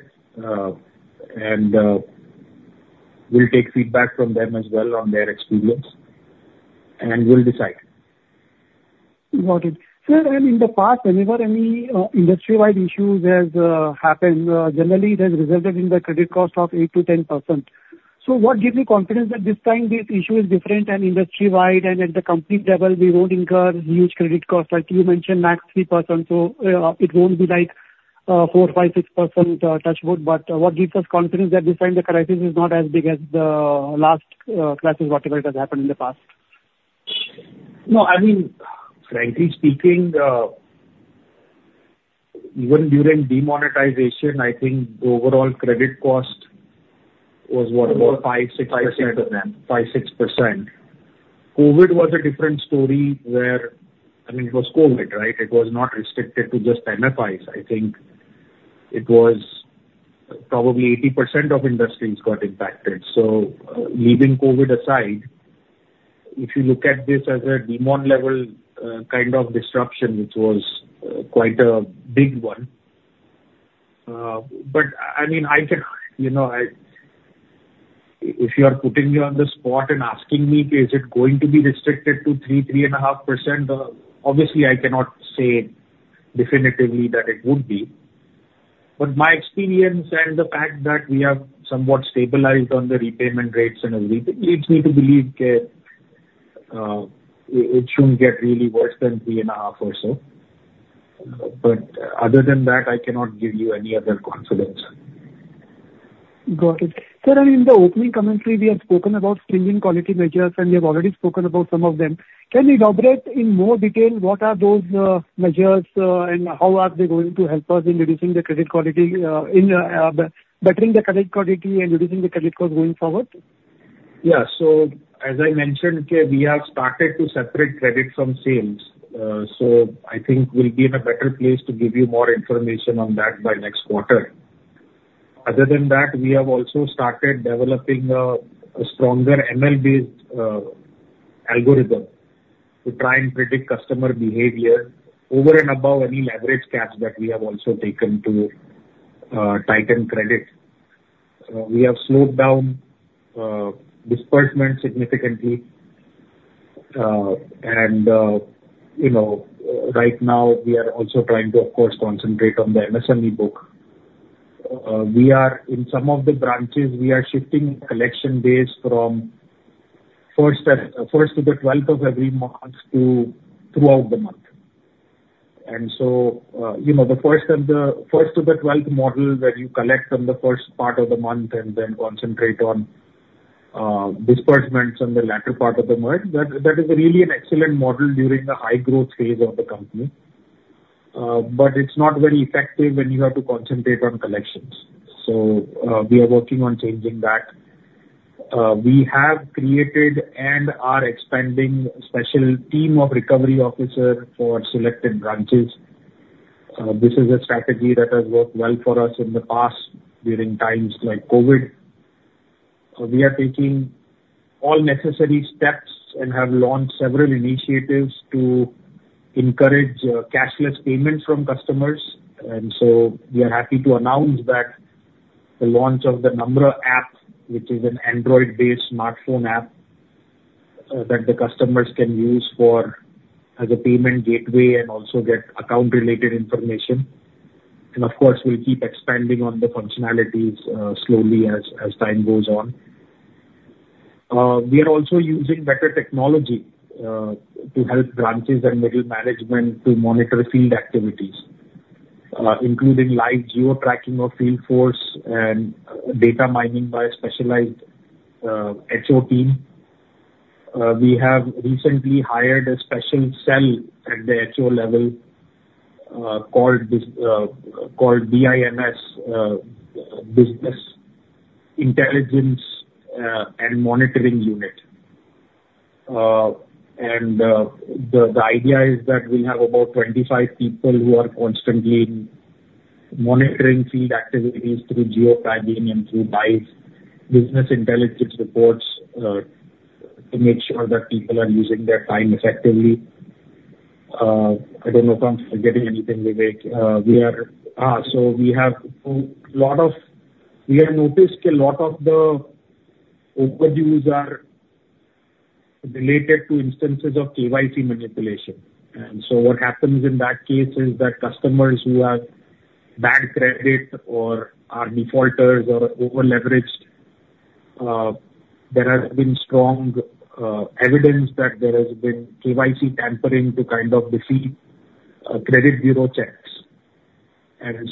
and we'll take feedback from them as well on their experience, and we'll decide. Got it. Sir, and in the past, whenever any, industry-wide issues has, happened, generally it has resulted in the credit cost of 8%-10%. So what gives me confidence that this time the issue is different and industry-wide, and at the company level, we won't incur huge credit costs? Like you mentioned, max 3%, so, it won't be like, 4, 5, 6%, touch wood. But what gives us confidence that this time the crisis is not as big as the last, crisis, whatever it has happened in the past? No, I mean, frankly speaking, even during demonetization, I think the overall credit cost was what? About 5%-6%. 5-6%. COVID was a different story where, I mean, it was COVID, right? It was not restricted to just MFIs. I think it was probably 80% of industries got impacted. So, leaving COVID aside, if you look at this as a demon-level kind of disruption, which was quite a big one. But I mean, I can, you know, if you are putting me on the spot and asking me, is it going to be restricted to 3-3.5%? Obviously, I cannot say definitively that it would be. But my experience and the fact that we have somewhat stabilized on the repayment rates and everything leads me to believe that it shouldn't get really worse than 3.5 or so. But other than that, I cannot give you any other confidence. Got it. Sir, in the opening commentary, we have spoken about strengthening quality measures, and we have already spoken about some of them. Can you elaborate in more detail what are those measures, and how are they going to help us in reducing the credit quality, in bettering the credit quality and reducing the credit cost going forward? Yeah. So as I mentioned, we have started to separate credit from sales. So I think we'll be in a better place to give you more information on that by next quarter. Other than that, we have also started developing a stronger ML-based algorithm to try and predict customer behavior over and above any leverage caps that we have also taken to tighten credit. We have slowed down disbursement significantly, and you know, right now we are also trying to, of course, concentrate on the MSME book. We are, in some of the branches, we are shifting collection days from first to the twelfth of every month to throughout the month. You know, the first to the twelfth model, where you collect on the first part of the month and then concentrate on disbursements on the latter part of the month, that is really an excellent model during the high growth phase of the company. But it's not very effective when you have to concentrate on collections, so we are working on changing that. We have created and are expanding a special team of recovery officer for selected branches. This is a strategy that has worked well for us in the past, during times like COVID. We are taking all necessary steps and have launched several initiatives to encourage cashless payments from customers. We are happy to announce that the launch of the Namra App, which is an Android-based smartphone app, that the customers can use for as a payment gateway and also get account-related information. Of course, we'll keep expanding on the functionalities, slowly as time goes on. We are also using better technology, to help branches and middle management to monitor field activities, including live geo-tracking of field force and data mining by a specialized, HO team. We have recently hired a special cell at the HO level, called BIMS, Business Intelligence, and Monitoring Unit. The idea is that we have about 25 people who are constantly monitoring field activities through geo-tagging and through BI's business intelligence reports, to make sure that people are using their time effectively. I don't know if I'm forgetting anything, Vivek. We have noticed a lot of the overdues are related to instances of KYC manipulation. So what happens in that case is that customers who have bad credit or are defaulters or over-leveraged, there has been strong evidence that there has been KYC tampering to kind of defeat credit bureau checks.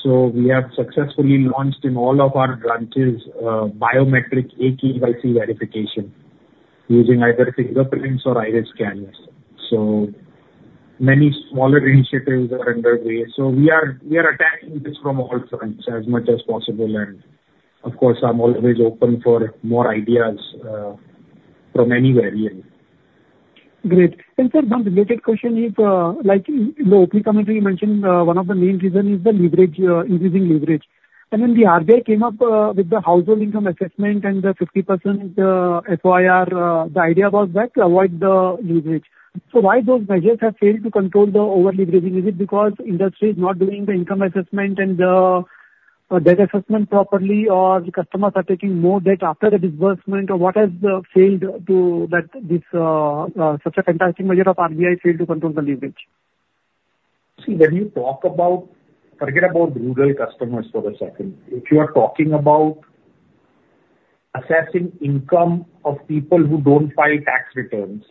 So we have successfully launched in all of our branches biometric eKYC verification, using either fingerprints or iris scanners. Many smaller initiatives are underway. We are attacking this from all fronts as much as possible, and of course, I'm always open for more ideas from anywhere really. Great. In fact, one related question is, like in the opening commentary, you mentioned, one of the main reason is the leverage, increasing leverage. And then the RBI came up, with the household income assessment and the 50% FOIR. The idea was that to avoid the leverage. So why those measures have failed to control the over-leveraging? Is it because industry is not doing the income assessment and the, debt assessment properly, or the customers are taking more debt after the disbursement, or what has, failed to that this, such a contrasting measure of RBI failed to control the leverage? See, when you talk about... Forget about rural customers for a second. If you are talking about assessing income of people who don't file tax returns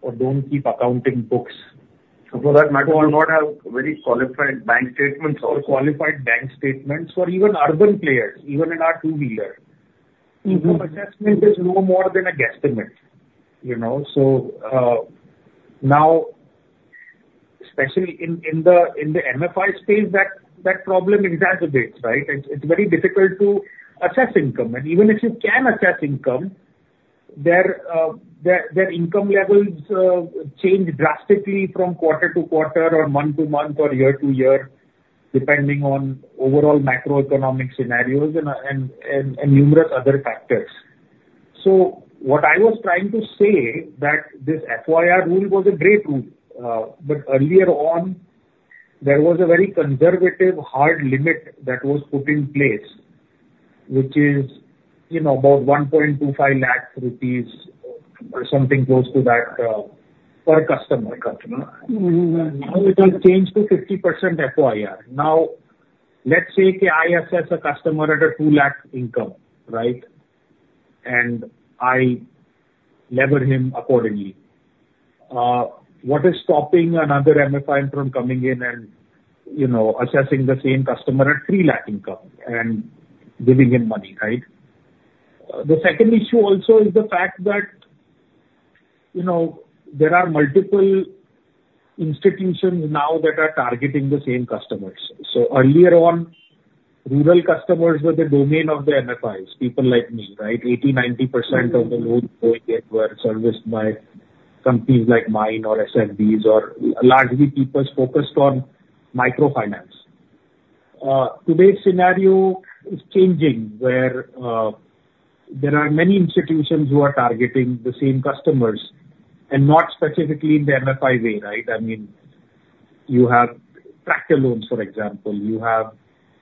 or don't keep accounting books, so for that matter, not have very qualified bank statements or qualified bank statements for even urban players, even in our two-wheeler. Mm-hmm. Income assessment is no more than a guesstimate, you know? So, now, especially in the MFI space, that problem exacerbates, right? It's very difficult to assess income. And even if you can assess income, their income levels change drastically from quarter to quarter, or month to month, or year to year, depending on overall macroeconomic scenarios and numerous other factors. So what I was trying to say that this FOIR rule was a great rule, but earlier on, there was a very conservative, hard limit that was put in place, which is, you know, about 1.25 lakh rupees or something close to that, for a customer. For a customer. Now it has changed to 50% FOIR. Now, let's say that I assess a customer at an 2 lakh income, right? And I leverage him accordingly. What is stopping another MFI from coming in and, you know, assessing the same customer at an 3 lakh income and giving him money, right? The second issue also is the fact that, you know, there are multiple institutions now that are targeting the same customers. So earlier on, rural customers were the domain of the MFIs, people like me, right? 80-90%- Mm-hmm Of the loans going there were serviced by companies like mine or SNBs or largely people focused on microfinance. Today's scenario is changing, where there are many institutions who are targeting the same customers, and not specifically in the MFI way, right? I mean, you have tractor loans, for example, you have,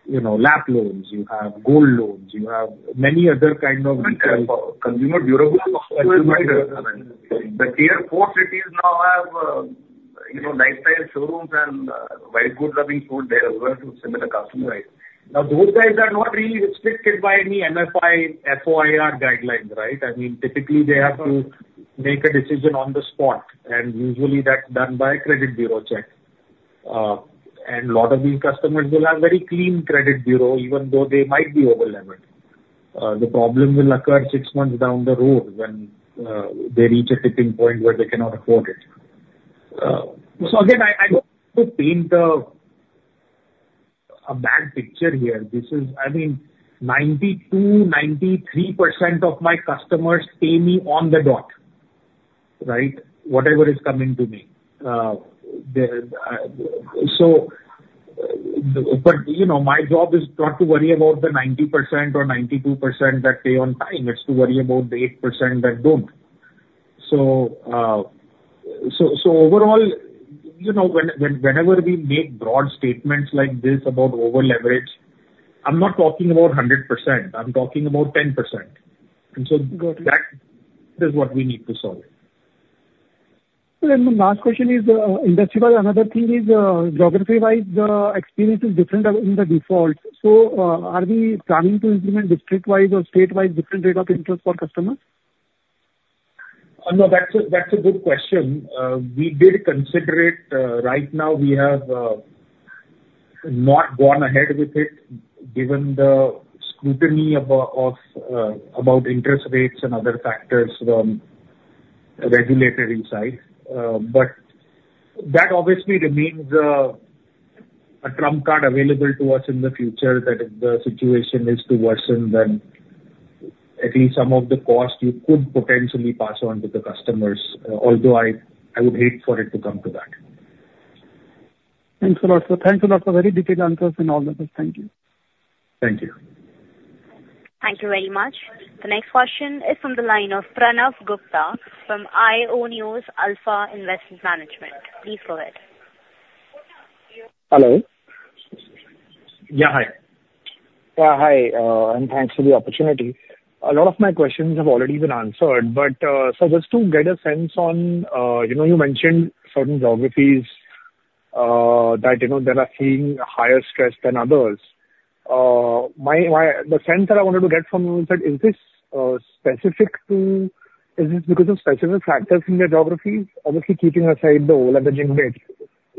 you know, LAP loans, you have gold loans, you have many other kind of consumer durable. The tier four cities now have, you know, lifestyle showrooms and white goods, living room furniture there as well to similar customers. Now, those guys are not really restricted by any MFI, FOIR guidelines, right? I mean, typically they have to make a decision on the spot, and usually that's done by a credit bureau check. And a lot of these customers will have very clean credit bureau, even though they might be over-levered. The problem will occur six months down the road when they reach a tipping point where they cannot afford it. So again, I don't want to paint a bad picture here. This is—I mean, 92, 93% of my customers pay me on the dot.... right? Whatever is coming to me. So, but you know, my job is not to worry about the 90% or 92% that pay on time, it's to worry about the 8% that don't. So overall, you know, whenever we make broad statements like this about over-leverage, I'm not talking about 100%, I'm talking about 10%. Got it. So that is what we need to solve. So then the last question is, industry-wide, another thing is, geography-wise, the experience is different in the default. So, are we planning to implement district-wise or state-wise different rate of interest for customers? No, that's a good question. We did consider it. Right now, we have not gone ahead with it, given the scrutiny about interest rates and other factors from regulatory side. But that obviously remains a trump card available to us in the future, that if the situation is to worsen, then at least some of the cost you could potentially pass on to the customers, although I would hate for it to come to that. Thanks a lot, sir. Thank you for that very detailed answers and all of it. Thank you. Thank you. Thank you very much. The next question is from the line of Pranav Gupta from Aionios Alpha Investment Management. Please go ahead. Hello? Yeah. Hi. Yeah, hi, and thanks for the opportunity. A lot of my questions have already been answered, but, so just to get a sense on, you know, you mentioned certain geographies, that, you know, that are seeing higher stress than others. My, my... The sense that I wanted to get from you is that, is this, specific to- is this because of specific factors in the geographies? Obviously, keeping aside the over-leveraging bit,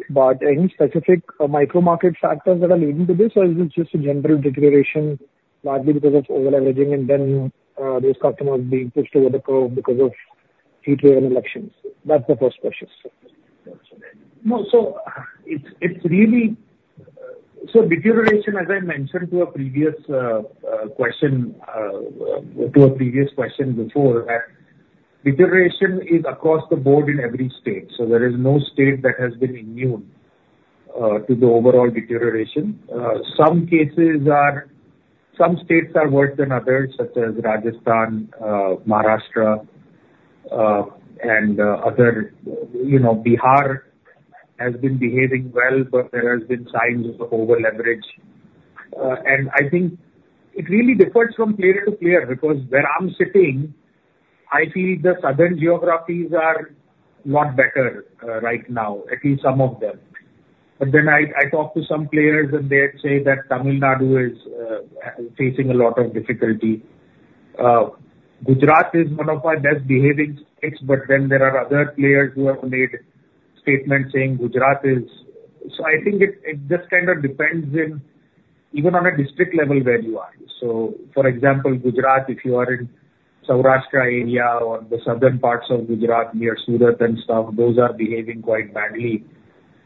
but any specific micro-market factors that are leading to this, or is it just a general deterioration, largely because of over-leveraging, and then, these customers being pushed over the curve because of 12 elections? That's the first question, sir. No, so it's really. So deterioration, as I mentioned to a previous question, to a previous question before, deterioration is across the board in every state. So there is no state that has been immune to the overall deterioration. Some cases are, some states are worse than others, such as Rajasthan, Maharashtra, and other, you know, Bihar has been behaving well, but there has been signs of over-leverage. And I think it really differs from player to player, because where I'm sitting, I feel the southern geographies are a lot better right now, at least some of them. But then I talk to some players, and they say that Tamil Nadu is facing a lot of difficulty. Gujarat is one of our best behaving states, but then there are other players who have made statements saying Gujarat is... So I think it, it just kind of depends in, even on a district level, where you are. So, for example, Gujarat, if you are in Saurashtra area or the southern parts of Gujarat, near Surat and stuff, those are behaving quite badly.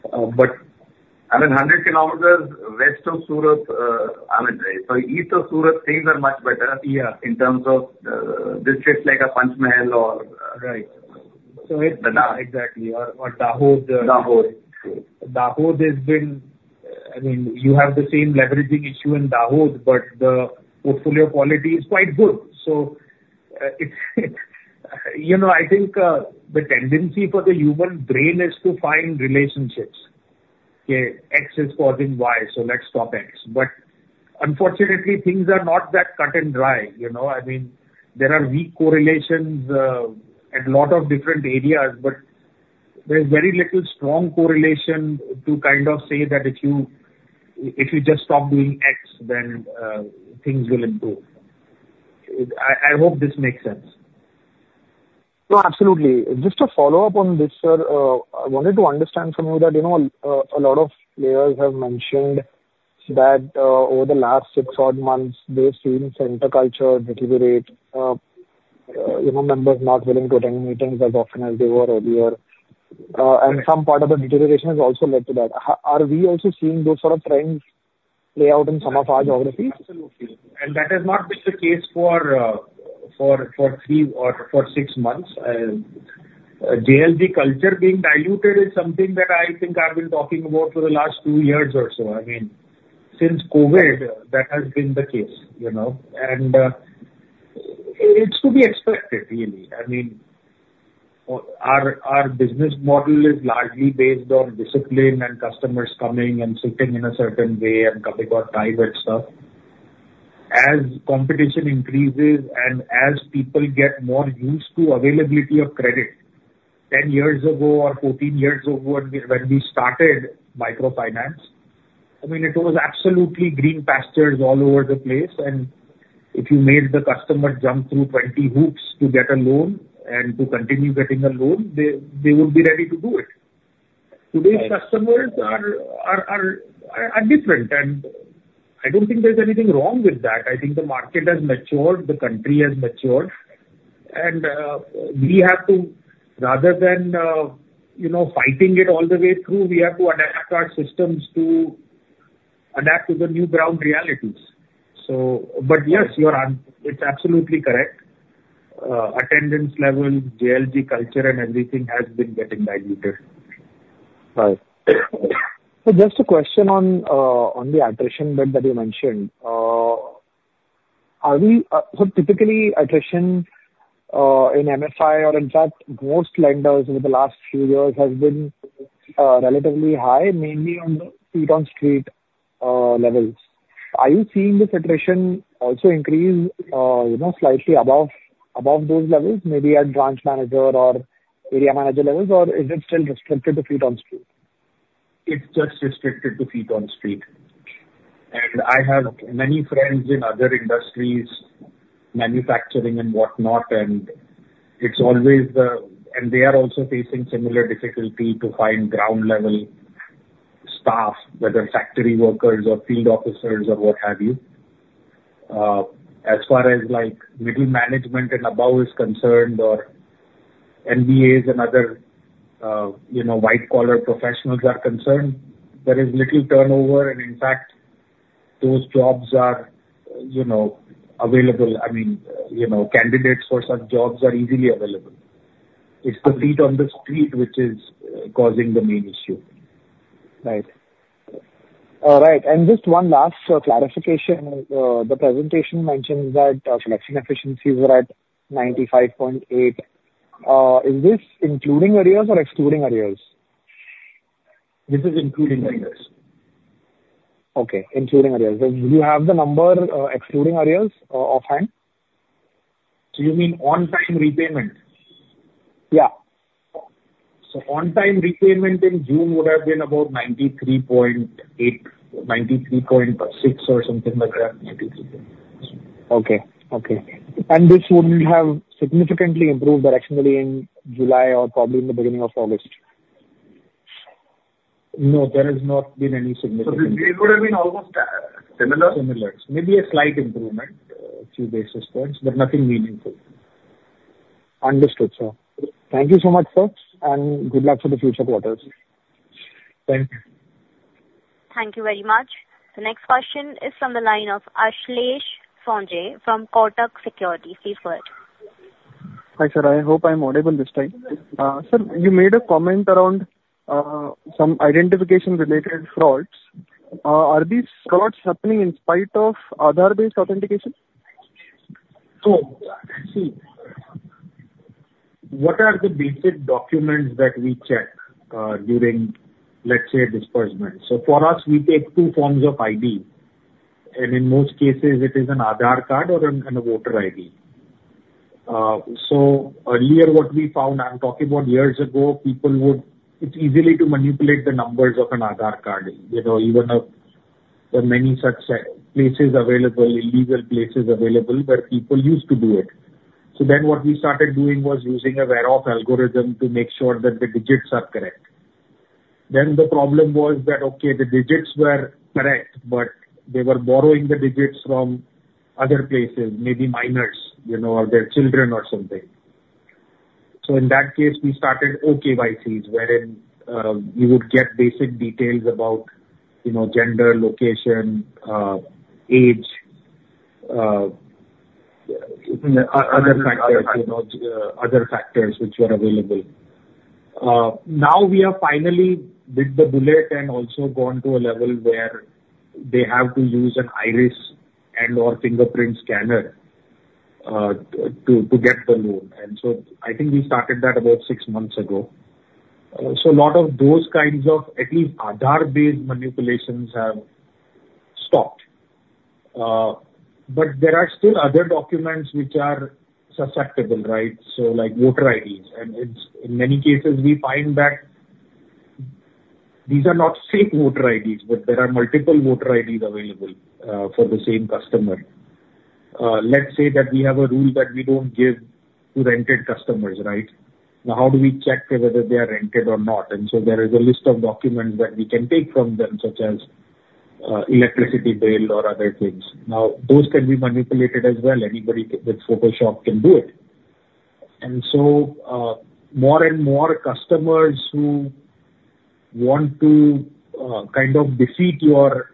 But I mean, 100 km west of Surat, I mean, so east of Surat, things are much better- Yeah in terms of, districts like Panchmahal or- Right. Da- Exactly, Dahod. Dahod. Dahod has been, I mean, you have the same leveraging issue in Dahod, but the portfolio quality is quite good. So, it's, you know, I think, the tendency for the human brain is to find relationships, okay? X is causing Y, so let's stop X. But unfortunately, things are not that cut and dry, you know. I mean, there are weak correlations, at a lot of different areas, but there's very little strong correlation to kind of say that if you, if you just stop doing X, then, things will improve. I, I hope this makes sense. No, absolutely. Just to follow up on this, sir, I wanted to understand from you that, you know, a lot of players have mentioned that, over the last six odd months, they've seen center culture deteriorate. You know, members not willing to attend meetings as often as they were earlier. And some part of the deterioration has also led to that. Are we also seeing those sort of trends play out in some of our geographies? Absolutely. And that has not been the case for three or six months. JLG culture being diluted is something that I think I've been talking about for the last 2 years or so. I mean, since COVID, that has been the case, you know? And, it's to be expected, really. I mean, our business model is largely based on discipline and customers coming and sitting in a certain way and coming on time and stuff. As competition increases and as people get more used to availability of credit, 10 years ago or 14 years ago, when we started microfinance, I mean, it was absolutely green pastures all over the place, and if you made the customer jump through 20 hoops to get a loan and to continue getting a loan, they would be ready to do it. Right. Today's customers are different, and I don't think there's anything wrong with that. I think the market has matured, the country has matured, and we have to, rather than you know, fighting it all the way through, adapt our systems to adapt to the new ground realities. So, but yes, you are on, it's absolutely correct. Attendance levels, JLG culture, and everything has been getting diluted. Right. So just a question on the attrition bit that you mentioned. Are we so typically attrition in MFI or in fact most lenders over the last few years has been relatively high, mainly on the feet on street levels. Are you seeing this attrition also increase, you know, slightly above those levels, maybe at branch manager or area manager levels, or is it still restricted to feet on street? It's just restricted to feet on street. I have many friends in other industries, manufacturing and whatnot, and it's always, and they are also facing similar difficulty to find ground-level staff, whether factory workers or field officers or what have you. As far as, like, middle management and above is concerned, or MBAs and other, you know, white-collar professionals are concerned, there is little turnover, and in fact, those jobs are, you know, available. I mean, you know, candidates for such jobs are easily available. It's the feet on the street which is causing the main issue. Right. Right, and just one last clarification. The presentation mentions that collection efficiencies were at 95.8%. Is this including arrears or excluding arrears? This is including arrears. Okay, including arrears. Do you have the number, excluding arrears offhand? Do you mean on-time repayment? Yeah. So on-time repayment in June would have been about 93.8%, 93.6% or something like that, 93%. Okay. Okay. And this wouldn't have significantly improved directionally in July or probably in the beginning of August? No, there has not been any significant- So it would have been almost similar? Similar. Maybe a slight improvement, few basis points, but nothing meaningful. Understood, sir. Thank you so much, sir, and good luck for the future quarters. Thank you. Thank you very much. The next question is from the line of Ashlesh Sonje from Kotak Securities. Please go ahead. Hi, sir, I hope I'm audible this time. Sir, you made a comment around some identification-related frauds. Are these frauds happening in spite of Aadhaar-based authentication? So, see, what are the basic documents that we check during, let's say, a disbursement? So for us, we take two forms of ID, and in most cases, it is an Aadhaar card or a voter ID. So earlier, what we found, I'm talking about years ago, people would... it was easy to manipulate the numbers of an Aadhaar card. You know, even there are many such places available, illegal places available, where people used to do it. So then what we started doing was using a verify algorithm to make sure that the digits are correct. Then the problem was that, okay, the digits were correct, but they were borrowing the digits from other places, maybe minors, you know, or their children or something. So in that case, we started eKYC's, wherein, you would get basic details about, you know, gender, location, age, other factors, you know, other factors which were available. Now we have finally bit the bullet and also gone to a level where they have to use an iris and/or fingerprint scanner to get the loan. And so I think we started that about six months ago. So a lot of those kinds of at least Aadhaar-based manipulations have stopped. But there are still other documents which are susceptible, right? So, like, voter IDs, and it's, in many cases, we find that these are not fake voter IDs, but there are multiple voter IDs available for the same customer. Let's say that we have a rule that we don't give to rented customers, right? Now, how do we check whether they are rented or not? And so there is a list of documents that we can take from them, such as, electricity bill or other things. Now, those can be manipulated as well. Anybody with Photoshop can do it. And so, more and more customers who want to, kind of defeat your,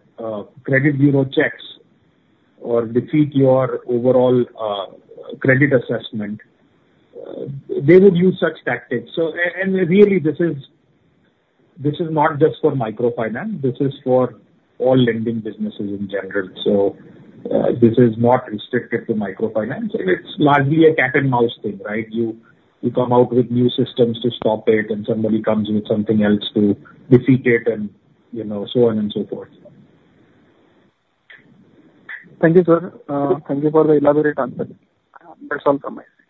credit bureau checks or defeat your overall, credit assessment, they would use such tactics. So, and really, this is, this is not just for microfinance, this is for all lending businesses in general. So, this is not restricted to microfinance, and it's largely a cat and mouse thing, right? You, you come out with new systems to stop it, and somebody comes with something else to defeat it and, you know, so on and so forth. Thank you, sir. Thank you for the elaborate answer. That's all from my side.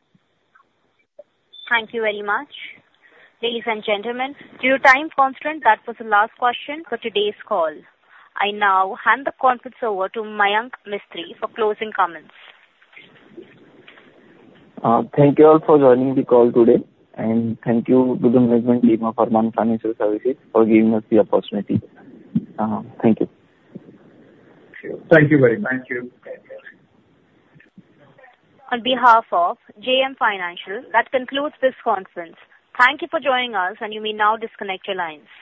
Thank you very much. Ladies and gentlemen, due to time constraint, that was the last question for today's call. I now hand the conference over to Mayank Mistry for closing comments. Thank you all for joining the call today, and thank you to the management team of Arman Financial Services for giving us the opportunity. Thank you. Thank you very much. Thank you. On behalf of JM Financial, that concludes this conference. Thank you for joining us, and you may now disconnect your lines.